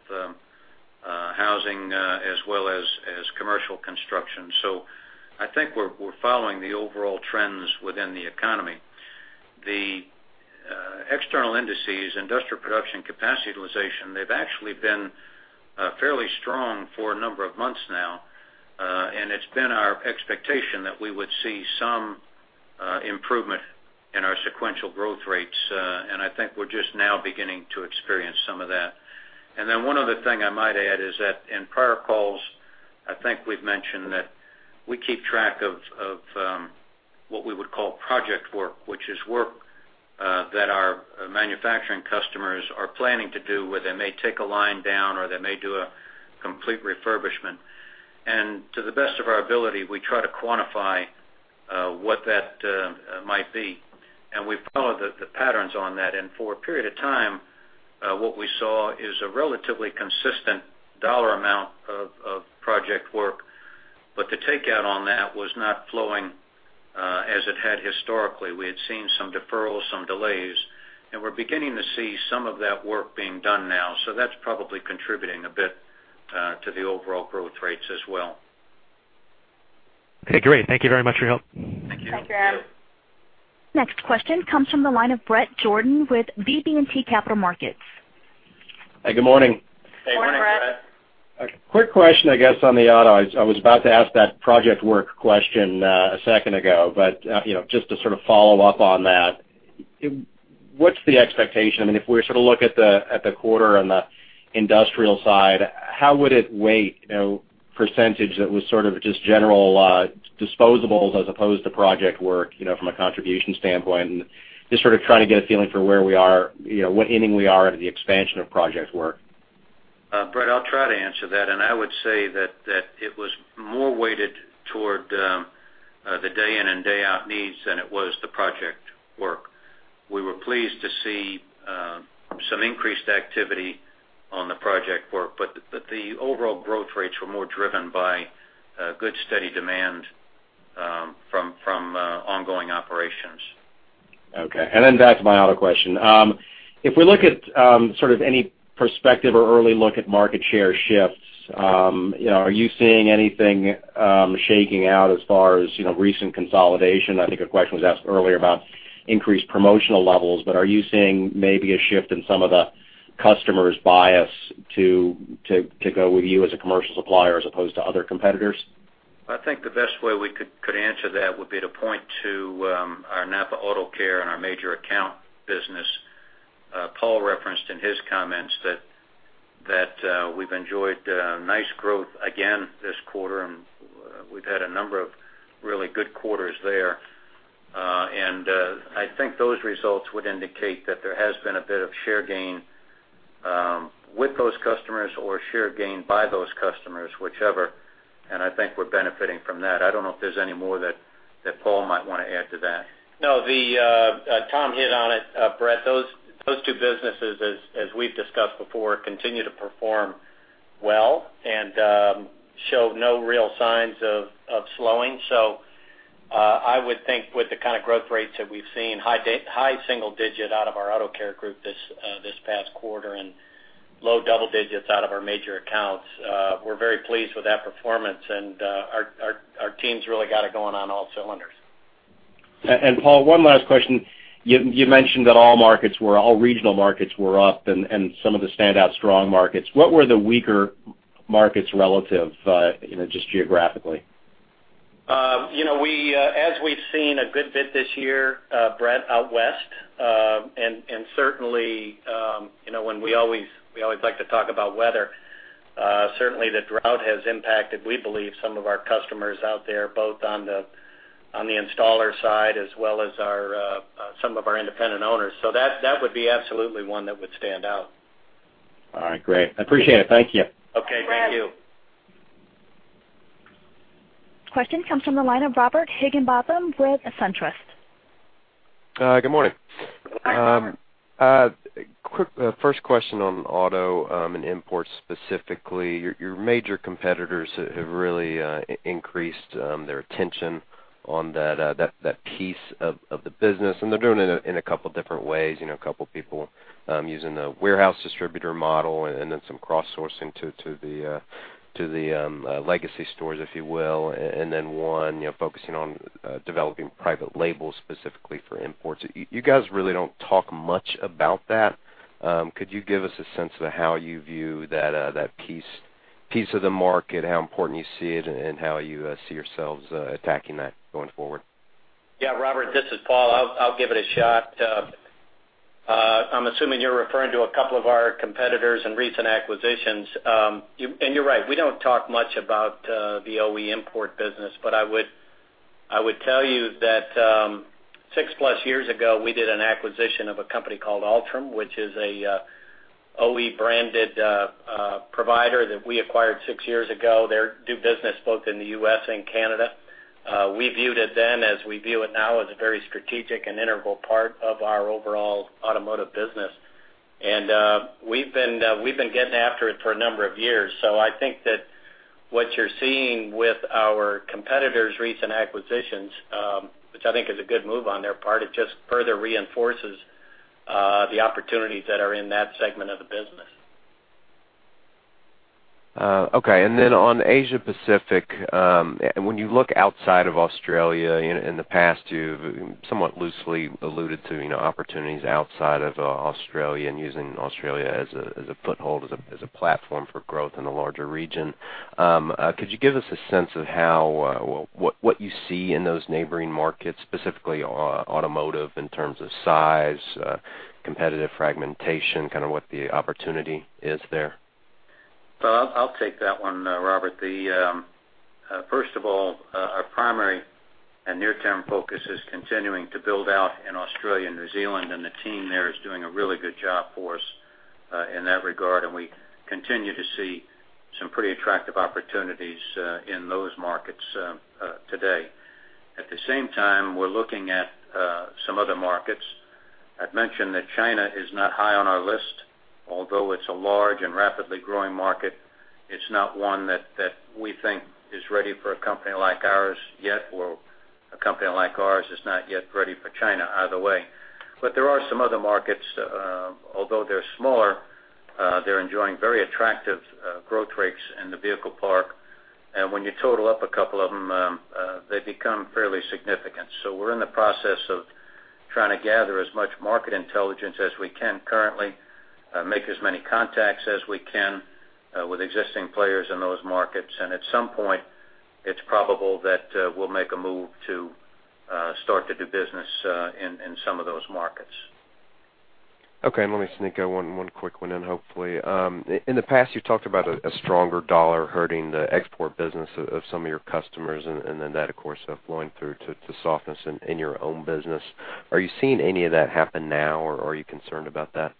[SPEAKER 3] housing as well as commercial construction. I think we're following the overall trends within the economy. The external indices, industrial production capacity utilization, they've actually been fairly strong for a number of months now. It's been our expectation that we would see some improvement in our sequential growth rates. I think we're just now beginning to experience some of that. One other thing I might add is that in prior calls, I think we've mentioned that we keep track of what we would call project work, which is work that our manufacturing customers are planning to do where they may take a line down or they may do a complete refurbishment. To the best of our ability, we try to quantify what that might be. We follow the patterns on that. For a period of time, what we saw is a relatively consistent dollar amount of project work. The takeout on that was not flowing as it had historically. We had seen some deferrals, some delays, and we're beginning to see some of that work being done now. That's probably contributing a bit to the overall growth rates as well.
[SPEAKER 8] Okay, great. Thank you very much for your help.
[SPEAKER 3] Thank you.
[SPEAKER 5] Thanks, Aaron.
[SPEAKER 1] Next question comes from the line of Bret Jordan with BB&T Capital Markets.
[SPEAKER 9] Hi, good morning.
[SPEAKER 3] Hey, morning, Bret.
[SPEAKER 9] Quick question, I guess, on the auto. I was about to ask that project work question a second ago, but just to sort of follow up on that. What's the expectation? If we sort of look at the quarter on the industrial side, how would it weight percentage that was sort of just general disposables as opposed to project work from a contribution standpoint? Just sort of trying to get a feeling for where we are, what inning we are into the expansion of project work.
[SPEAKER 3] Bret, I'll try to answer that. I would say that it was more weighted toward the day in and day out needs than it was the project work. We were pleased to see some increased activity on the project work, the overall growth rates were more driven by good, steady demand from ongoing operations.
[SPEAKER 9] Okay. Back to my other question. If we look at sort of any perspective or early look at market share shifts, are you seeing anything shaking out as far as recent consolidation? I think a question was asked earlier about increased promotional levels, are you seeing maybe a shift in some of the customers' bias to go with you as a commercial supplier as opposed to other competitors?
[SPEAKER 3] I think the best way we could answer that would be to point to our NAPA Auto Care and our major account business. Paul referenced in his comments that we've enjoyed nice growth again this quarter, we've had a number of really good quarters there. I think those results would indicate that there has been a bit of share gain with those customers or share gain by those customers, whichever. I think we're benefiting from that. I don't know if there's any more that Paul might want to add to that.
[SPEAKER 5] No, Tom hit on it, Bret. Those two businesses, as we've discussed before, continue to perform well and show no real signs of slowing.
[SPEAKER 4] I would think with the kind of growth rates that we've seen, high single-digit out of our NAPA AutoCare Centers this past quarter and low double-digits out of our major accounts. We're very pleased with that performance, our teams really got it going on all cylinders.
[SPEAKER 9] Paul, one last question. You mentioned that all regional markets were up and some of the standout strong markets. What were the weaker markets relative, just geographically?
[SPEAKER 4] As we've seen a good bit this year, Bret, out West, and certainly, when we always like to talk about weather. Certainly, the drought has impacted, we believe, some of our customers out there, both on the installer side as well as some of our independent owners. That would be absolutely one that would stand out.
[SPEAKER 9] All right, great. I appreciate it. Thank you.
[SPEAKER 4] Okay, thank you.
[SPEAKER 2] Bret.
[SPEAKER 1] Question comes from the line of Robert Higginbotham with SunTrust.
[SPEAKER 10] Good morning.
[SPEAKER 4] Hi, Robert.
[SPEAKER 10] Quick first question on auto and imports specifically. Your major competitors have really increased their attention on that piece of the business, and they're doing it in a couple of different ways. A couple of people using the warehouse distributor model and then some cross-sourcing to the legacy stores, if you will. Then one, focusing on developing private labels specifically for imports. You guys really don't talk much about that. Could you give us a sense of how you view that piece of the market, how important you see it, and how you see yourselves attacking that going forward?
[SPEAKER 4] Yeah, Robert, this is Paul. I'll give it a shot. I'm assuming you're referring to a couple of our competitors and recent acquisitions. You're right, we don't talk much about the OE import business, but I would tell you that six-plus years ago, we did an acquisition of a company called Altrom, which is an OE-branded provider that we acquired six years ago. They do business both in the U.S. and Canada. We viewed it then, as we view it now, as a very strategic and integral part of our overall automotive business. We've been getting after it for a number of years. I think that what you're seeing with our competitors' recent acquisitions, which I think is a good move on their part, it just further reinforces the opportunities that are in that segment of the business.
[SPEAKER 10] Okay, then on Asia Pacific, when you look outside of Australia, in the past, you've somewhat loosely alluded to opportunities outside of Australia and using Australia as a foothold, as a platform for growth in a larger region. Could you give us a sense of what you see in those neighboring markets, specifically automotive in terms of size, competitive fragmentation, what the opportunity is there?
[SPEAKER 4] I'll take that one, Robert. First of all, our primary and near-term focus is continuing to build out in Australia and New Zealand, and the team there is doing a really good job for us in that regard, and we continue to see some pretty attractive opportunities in those markets today. At the same time, we're looking at some other markets. I've mentioned that China is not high on our list, although it's a large and rapidly growing market. It's not one that we think is ready for a company like ours yet, or a company like ours is not yet ready for China, either way. There are some other markets, although they're smaller, they're enjoying very attractive growth rates in the vehicle park. When you total up a couple of them, they become fairly significant. We're in the process of trying to gather as much market intelligence as we can currently, make as many contacts as we can with existing players in those markets, and at some point, it's probable that we'll make a move to start to do business in some of those markets.
[SPEAKER 10] Okay, let me sneak one quick one in, hopefully. In the past, you talked about a stronger dollar hurting the export business of some of your customers, and then that, of course, flowing through to softness in your own business. Are you seeing any of that happen now, or are you concerned about that?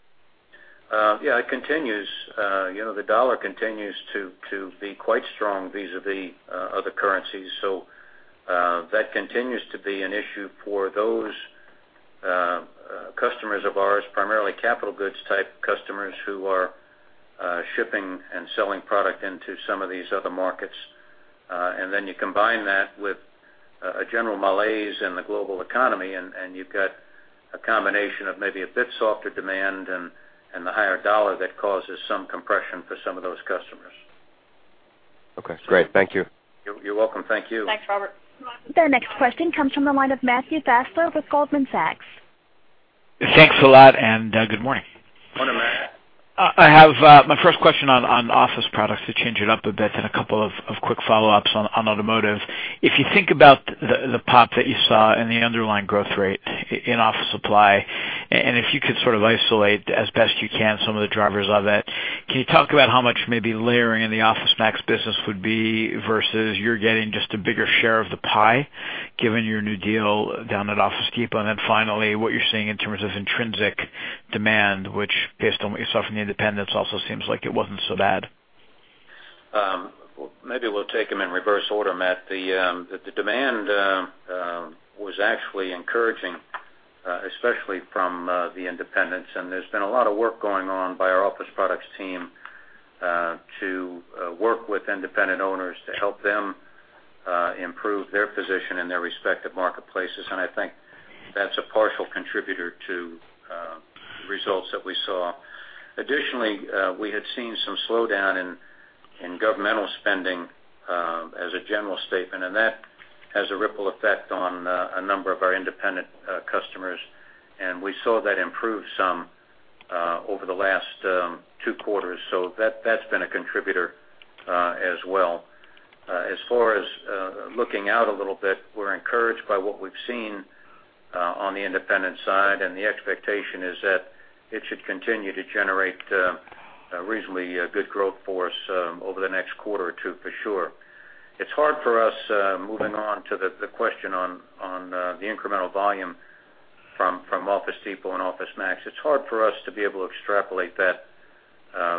[SPEAKER 4] Yeah, it continues. The dollar continues to be quite strong vis-à-vis other currencies. That continues to be an issue for those customers of ours, primarily capital goods type customers who are shipping and selling product into some of these other markets. Then you combine that with a general malaise in the global economy, and you've got a combination of maybe a bit softer demand and the higher dollar that causes some compression for some of those customers.
[SPEAKER 10] Okay, great. Thank you.
[SPEAKER 4] You're welcome. Thank you.
[SPEAKER 2] Thanks, Robert.
[SPEAKER 1] The next question comes from the line of Matthew Fassler with Goldman Sachs.
[SPEAKER 11] Thanks a lot, and good morning.
[SPEAKER 4] Morning, Matt.
[SPEAKER 11] My first question on office products to change it up a bit and a couple of quick follow-ups on automotive. If you think about the pop that you saw and the underlying growth rate in office supply, and if you could sort of isolate as best you can some of the drivers of that, can you talk about how much maybe layering in the OfficeMax business would be versus you're getting just a bigger share of the pie, given your new deal down at Office Depot? Then finally, what you're seeing in terms of intrinsic demand, which based on what you saw from the independents also seems like it wasn't so bad.
[SPEAKER 3] Maybe we'll take them in reverse order, Matt. The demand was actually encouraging There's been a lot of work going on by our office products team to work with independent owners to help them improve their position in their respective marketplaces, and I think that's a partial contributor to results that we saw. Additionally, we had seen some slowdown in governmental spending as a general statement, and that has a ripple effect on a number of our independent customers, and we saw that improve some over the last two quarters. That's been a contributor as well. As far as looking out a little bit, we're encouraged by what we've seen on the independent side, and the expectation is that it should continue to generate reasonably good growth for us over the next quarter or two for sure. It's hard for us, moving on to the question on the incremental volume from Office Depot and OfficeMax. It's hard for us to be able to extrapolate that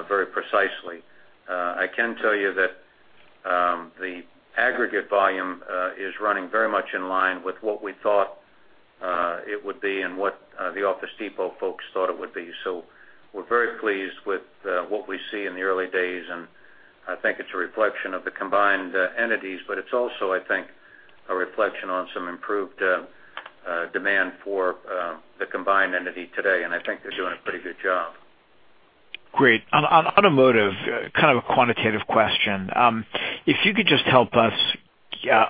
[SPEAKER 3] very precisely. I can tell you that the aggregate volume is running very much in line with what we thought it would be and what the Office Depot folks thought it would be. We're very pleased with what we see in the early days, and I think it's a reflection of the combined entities, but it's also, I think, a reflection on some improved demand for the combined entity today, and I think they're doing a pretty good job.
[SPEAKER 11] Great. On automotive, kind of a quantitative question. If you could just help us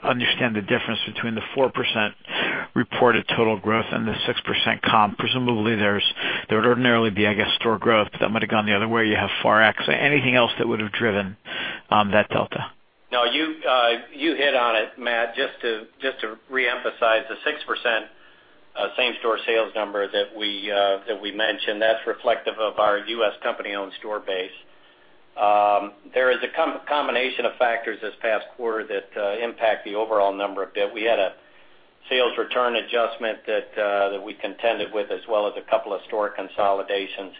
[SPEAKER 11] understand the difference between the 4% reported total growth and the 6% comp. Presumably, there would ordinarily be, I guess, store growth, but that might have gone the other way. You have Forex. Anything else that would have driven that delta?
[SPEAKER 4] No, you hit on it, Matt. Just to reemphasize the 6% same-store sales number that we mentioned, that's reflective of our U.S. company-owned store base. There is a combination of factors this past quarter that impact the overall number a bit. We had a sales return adjustment that we contended with, as well as a couple of store consolidations.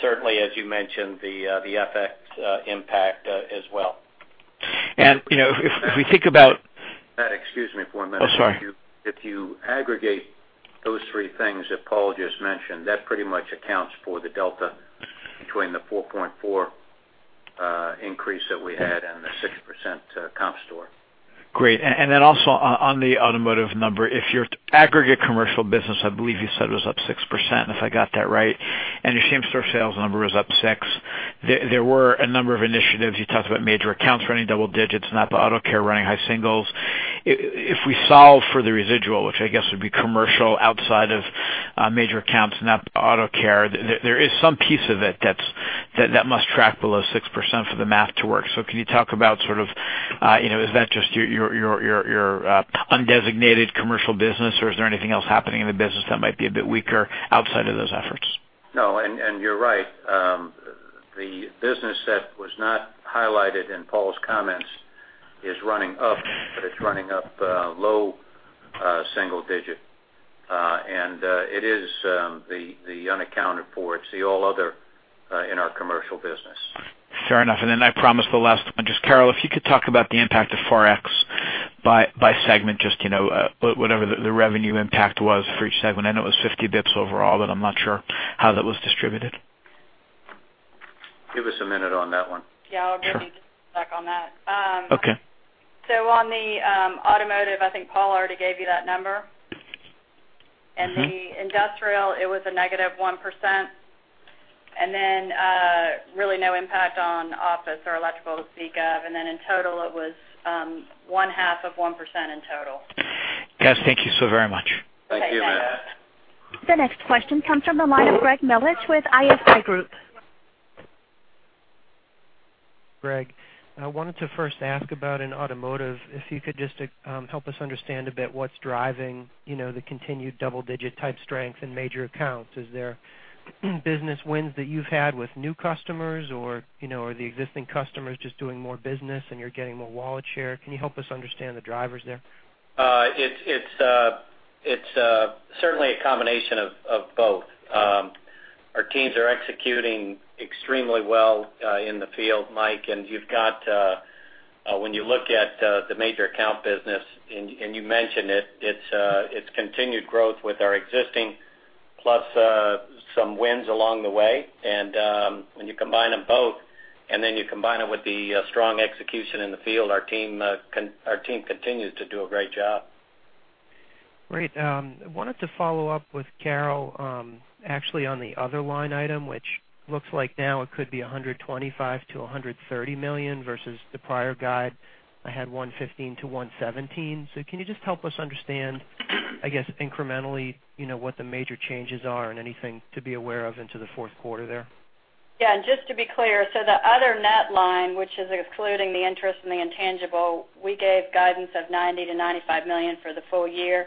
[SPEAKER 4] Certainly, as you mentioned, the FX impact as well.
[SPEAKER 11] And if we think about-
[SPEAKER 3] Matt, excuse me for a minute.
[SPEAKER 11] Oh, sorry.
[SPEAKER 3] If you aggregate those three things that Paul just mentioned, that pretty much accounts for the delta between the 4.4 increase that we had and the 6% comp store.
[SPEAKER 11] Great. Then also on the automotive number, if your aggregate commercial business, I believe you said, was up 6%, if I got that right, and your same-store sales number was up 6%, there were a number of initiatives. You talked about major accounts running double digits and AutoCare running high singles. If we solve for the residual, which I guess would be commercial outside of major accounts and AutoCare, there is some piece of it that must track below 6% for the math to work. Can you talk about, is that just your undesignated commercial business, or is there anything else happening in the business that might be a bit weaker outside of those efforts?
[SPEAKER 3] No, you're right. The business that was not highlighted in Paul's comments is running up, but it's running up low single digit. It is the unaccounted for. It's the all other in our commercial business.
[SPEAKER 11] Fair enough. Then I promise the last one. Carol, if you could talk about the impact of FX by segment, just whatever the revenue impact was for each segment. I know it was 50 basis points overall, I'm not sure how that was distributed.
[SPEAKER 3] Give us a minute on that one.
[SPEAKER 5] Yeah, I'll give you just a sec on that.
[SPEAKER 11] Okay.
[SPEAKER 5] On the automotive, I think Paul already gave you that number. The industrial, it was a negative 1%. Really no impact on office or electrical to speak of. In total, it was one half of 1% in total.
[SPEAKER 11] Guys, thank you so very much.
[SPEAKER 3] Thank you, Matt.
[SPEAKER 5] Thank you.
[SPEAKER 1] The next question comes from the line of Gregory Melich with ISI Group.
[SPEAKER 12] Greg, I wanted to first ask about in automotive, if you could just help us understand a bit what's driving the continued double-digit type strength in major accounts. Is there business wins that you've had with new customers, or are the existing customers just doing more business and you're getting more wallet share? Can you help us understand the drivers there?
[SPEAKER 4] It's certainly a combination of both. Our teams are executing extremely well in the field, Mike, when you look at the major account business, you mentioned it's continued growth with our existing, plus some wins along the way. When you combine them both, then you combine it with the strong execution in the field, our team continues to do a great job.
[SPEAKER 12] Great. I wanted to follow up with Carol, actually, on the other line item, which looks like now it could be $125 million-$130 million versus the prior guide, I had $115 million-$117 million. Can you just help us understand, I guess, incrementally, what the major changes are and anything to be aware of into the fourth quarter there?
[SPEAKER 5] Just to be clear, the other net line, which is excluding the interest and the intangible, we gave guidance of $90 million-$95 million for the full year.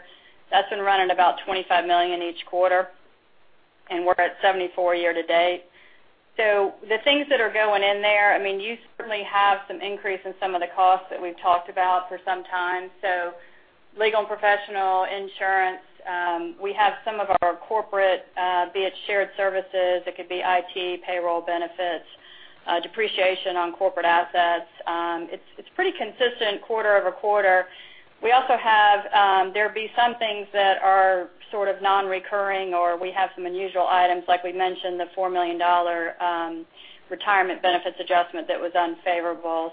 [SPEAKER 5] That's been running about $25 million each quarter, and we're at $74 million year to date. The things that are going in there, you certainly have some increase in some of the costs that we've talked about for some time. Legal and professional insurance, we have some of our corporate, be it shared services, it could be IT, payroll benefits, depreciation on corporate assets. It's pretty consistent quarter-over-quarter. We also have, there'll be some things that are sort of non-recurring or we have some unusual items, like we mentioned, the $4 million retirement benefits adjustment that was unfavorable.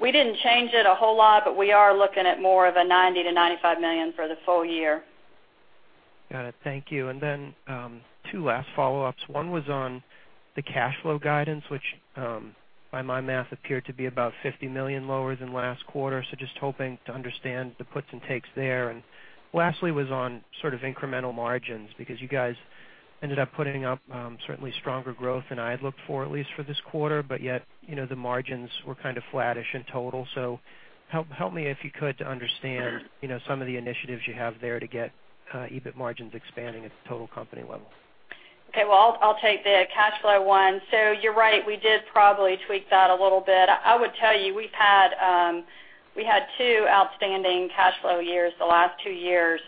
[SPEAKER 5] We didn't change it a whole lot, but we are looking at more of a $90 million-$95 million for the full year.
[SPEAKER 12] Got it. Thank you. Two last follow-ups. One was on the cash flow guidance, which, by my math, appeared to be about $50 million lower than last quarter. Just hoping to understand the puts and takes there. Lastly was on sort of incremental margins, because you guys ended up putting up certainly stronger growth than I had looked for, at least for this quarter, but yet the margins were kind of flattish in total. Help me, if you could, to understand some of the initiatives you have there to get EBIT margins expanding at the total company level.
[SPEAKER 5] Okay. Well, I'll take the cash flow one. You're right, we did probably tweak that a little bit. I would tell you, we had 2 outstanding cash flow years the last 2 years.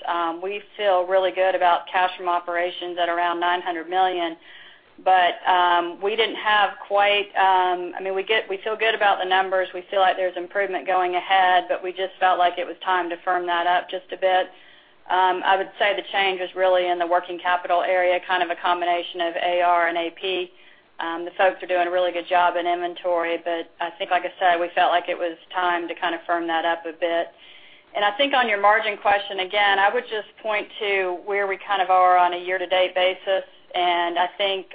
[SPEAKER 5] We feel really good about cash from operations at around $900 million, but we feel good about the numbers. We feel like there's improvement going ahead, but we just felt like it was time to firm that up just a bit. I would say the change is really in the working capital area, kind of a combination of AR and AP. The folks are doing a really good job in inventory, but I think, like I said, we felt like it was time to firm that up a bit. I think on your margin question, again, I would just point to where we kind of are on a year-to-date basis. I think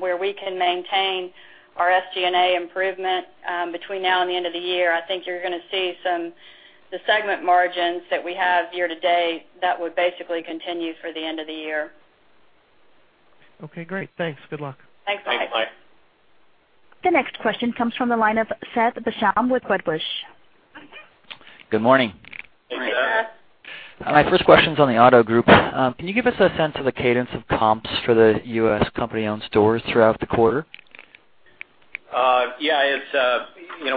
[SPEAKER 5] where we can maintain our SG&A improvement between now and the end of the year, I think you're going to see the segment margins that we have year-to-date, that would basically continue through the end of the year.
[SPEAKER 12] Okay, great. Thanks. Good luck.
[SPEAKER 5] Thanks. Bye.
[SPEAKER 3] Thanks. Bye.
[SPEAKER 1] The next question comes from the line of Seth Basham with Wedbush.
[SPEAKER 13] Good morning.
[SPEAKER 5] Morning, Seth.
[SPEAKER 13] My first question's on the auto group. Can you give us a sense of the cadence of comps for the U.S. company-owned stores throughout the quarter?
[SPEAKER 4] Yeah.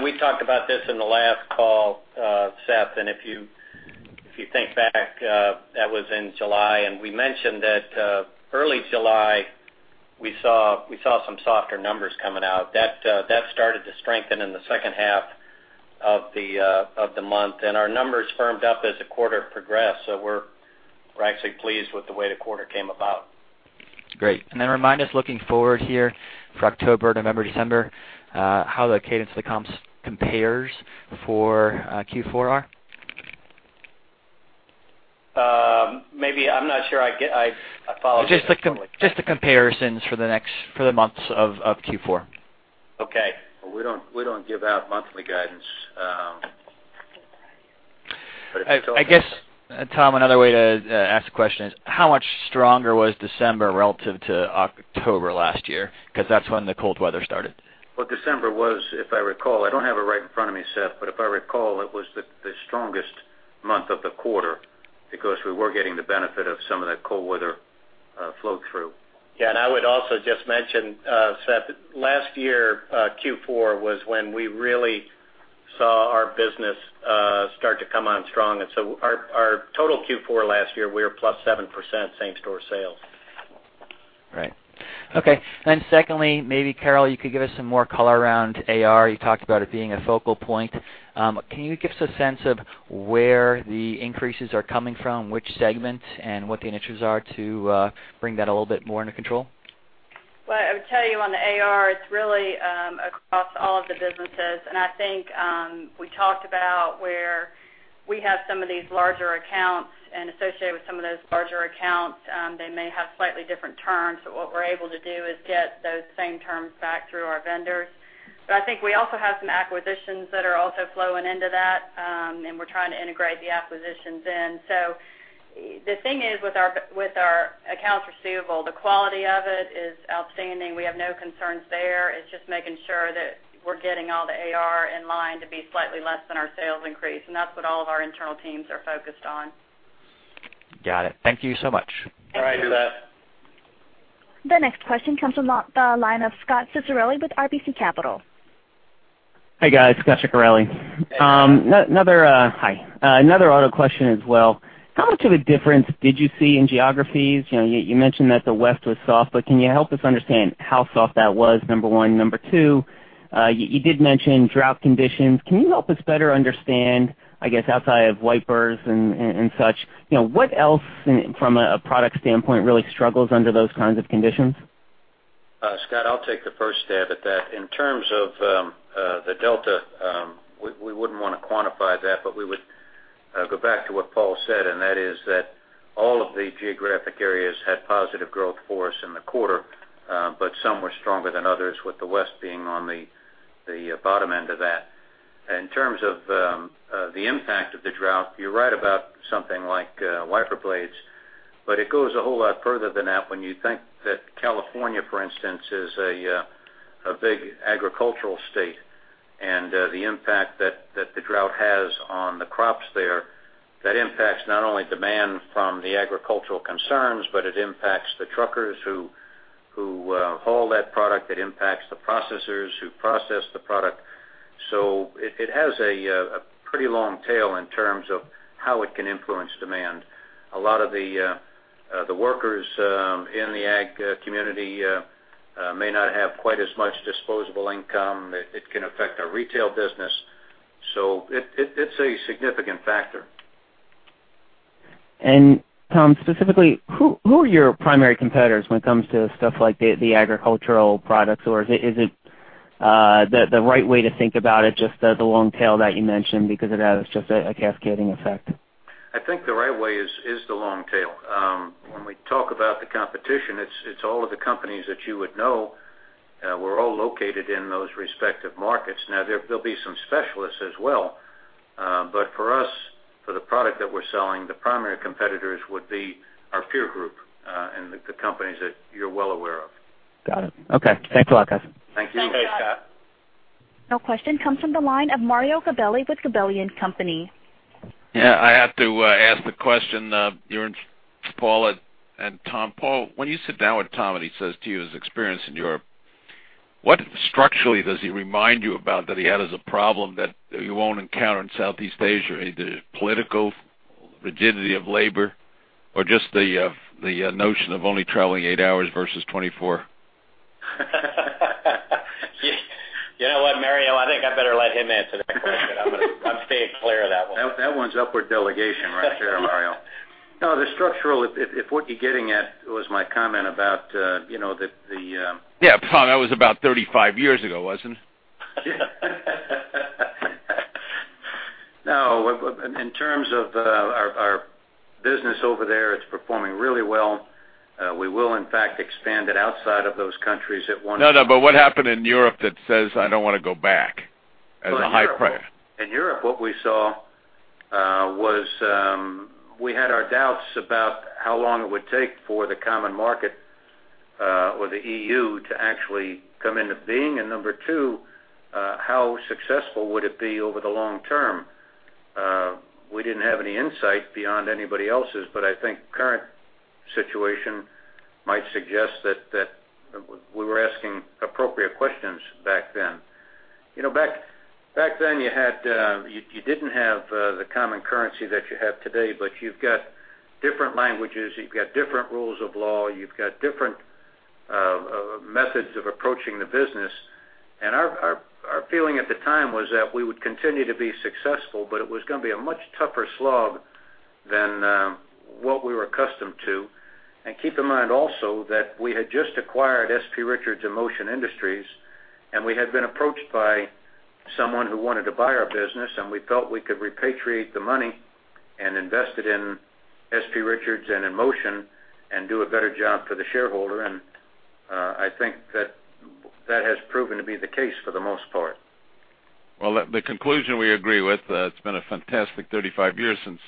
[SPEAKER 4] We talked about this in the last call, Seth. If you think back, that was in July. We mentioned that early July, we saw some softer numbers coming out. That started to strengthen in the second half of the month. Our numbers firmed up as the quarter progressed. We're actually pleased with the way the quarter came about.
[SPEAKER 13] Remind us, looking forward here for October, November, December, how the cadence of the comps compares for Q4 are?
[SPEAKER 4] Maybe I'm not sure I follow that.
[SPEAKER 13] Just the comparisons for the months of Q4.
[SPEAKER 5] Okay.
[SPEAKER 3] Well, we don't give out monthly guidance.
[SPEAKER 13] I guess, Tom, another way to ask the question is how much stronger was December relative to October last year? That's when the cold weather started.
[SPEAKER 3] Well, December was, if I recall, I don't have it right in front of me, Seth, but if I recall, it was the strongest month of the quarter because we were getting the benefit of some of that cold weather flow through.
[SPEAKER 5] Yeah, I would also just mention, Seth, last year, Q4 was when we really saw our business start to come on strong. Our total Q4 last year, we were plus 7% same-store sales.
[SPEAKER 13] Right. Okay. Secondly, maybe Carol, you could give us some more color around AR. You talked about it being a focal point. Can you give us a sense of where the increases are coming from, which segment, and what the initiatives are to bring that a little bit more under control?
[SPEAKER 5] Well, I would tell you on the AR, it's really across all of the businesses. I think we talked about where we have some of these larger accounts. Associated with some of those larger accounts, they may have slightly different terms. What we're able to do is get those same terms back through our vendors. I think we also have some acquisitions that are also flowing into that. We're trying to integrate the acquisitions in. The thing is, with our accounts receivable, the quality of it is outstanding. We have no concerns there. It's just making sure that we're getting all the AR in line to be slightly less than our sales increase. That's what all of our internal teams are focused on.
[SPEAKER 13] Got it. Thank you so much.
[SPEAKER 5] All right.
[SPEAKER 3] Thank you, Seth.
[SPEAKER 1] The next question comes from the line of Scot Ciccarelli with RBC Capital.
[SPEAKER 14] Hey, guys. Scot Ciccarelli.
[SPEAKER 5] Hey.
[SPEAKER 14] Hi. Another auto question as well. How much of a difference did you see in geographies? You mentioned that the West was soft, can you help us understand how soft that was, number one? Number two, you did mention drought conditions. Can you help us better understand, I guess, outside of wipers and such, what else from a product standpoint really struggles under those kinds of conditions?
[SPEAKER 3] Scot, I'll take the first stab at that. In terms of the delta, we wouldn't want to quantify that, we would go back to what Paul said, and that is that all of the geographic areas had positive growth for us in the quarter. Some were stronger than others, with the West being on the bottom end of that. In terms of the impact of the drought, you're right about something like wiper blades, it goes a whole lot further than that when you think that California, for instance, is a big agricultural state. The impact that the drought has on the crops there, that impacts not only demand from the agricultural concerns, but it impacts the truckers who haul that product. It impacts the processors who process the product. It has a pretty long tail in terms of how it can influence demand. A lot of the workers in the ag community may not have quite as much disposable income. It can affect our retail business. It's a significant factor.
[SPEAKER 14] Tom, specifically, who are your primary competitors when it comes to stuff like the agricultural products? Is it the right way to think about it just as a long tail that you mentioned because it has just a cascading effect?
[SPEAKER 3] I think the right way is the long tail. When we talk about the competition, it's all of the companies that you would know, we're all located in those respective markets. There'll be some specialists as well. For us, for the product that we're selling, the primary competitors would be our peer group, and the companies that you're well aware of.
[SPEAKER 14] Got it. Okay. Thanks a lot, guys.
[SPEAKER 3] Thank you.
[SPEAKER 5] Thanks, Scot.
[SPEAKER 1] Our question comes from the line of Mario Gabelli with Gabelli and Company.
[SPEAKER 15] Yeah, I have to ask the question, you and Paul and Tom. Paul, when you sit down with Tom and he says to you his experience in Europe, what structurally does he remind you about that he had as a problem that you won't encounter in Southeast Asia, either political rigidity of labor or just the notion of only traveling eight hours versus 24?
[SPEAKER 4] You know what, Mario? I think I better let him answer that question. I'm staying clear of that one.
[SPEAKER 3] That one's upward delegation right there, Mario. The structural, if what you're getting at was my comment about.
[SPEAKER 15] Yeah, Tom, that was about 35 years ago, wasn't it?
[SPEAKER 3] In terms of our business over there, it's performing really well. We will in fact, expand it outside of those countries at once.
[SPEAKER 15] What happened in Europe that says, I don't want to go back as a high price.
[SPEAKER 3] In Europe, what we saw, was we had our doubts about how long it would take for the common market, or the EU, to actually come into being. Number two, how successful would it be over the long term? We didn't have any insight beyond anybody else's, but I think current situation might suggest that we were asking appropriate questions back then. Back then, you didn't have the common currency that you have today, but you've got different languages, you've got different rules of law, you've got different methods of approaching the business. Our feeling at the time was that we would continue to be successful, but it was going to be a much tougher slog than what we were accustomed to. Keep in mind also that we had just acquired S.P. Richards and Motion Industries, we had been approached by someone who wanted to buy our business, we felt we could repatriate the money and invest it in S.P. Richards and in Motion and do a better job for the shareholder. I think that has proven to be the case for the most part.
[SPEAKER 15] Well, the conclusion we agree with, it's been a fantastic 35 years since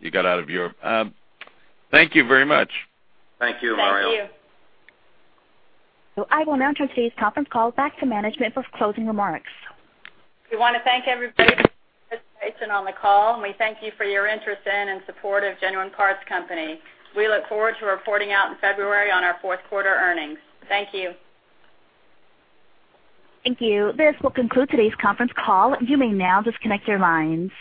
[SPEAKER 15] you got out of Europe. Thank you very much.
[SPEAKER 3] Thank you, Mario.
[SPEAKER 5] Thank you.
[SPEAKER 1] I will now turn today's conference call back to management for closing remarks.
[SPEAKER 5] We want to thank everybody for participation on the call, and we thank you for your interest in and support of Genuine Parts Company. We look forward to reporting out in February on our fourth quarter earnings. Thank you.
[SPEAKER 1] Thank you. This will conclude today's conference call. You may now disconnect your lines.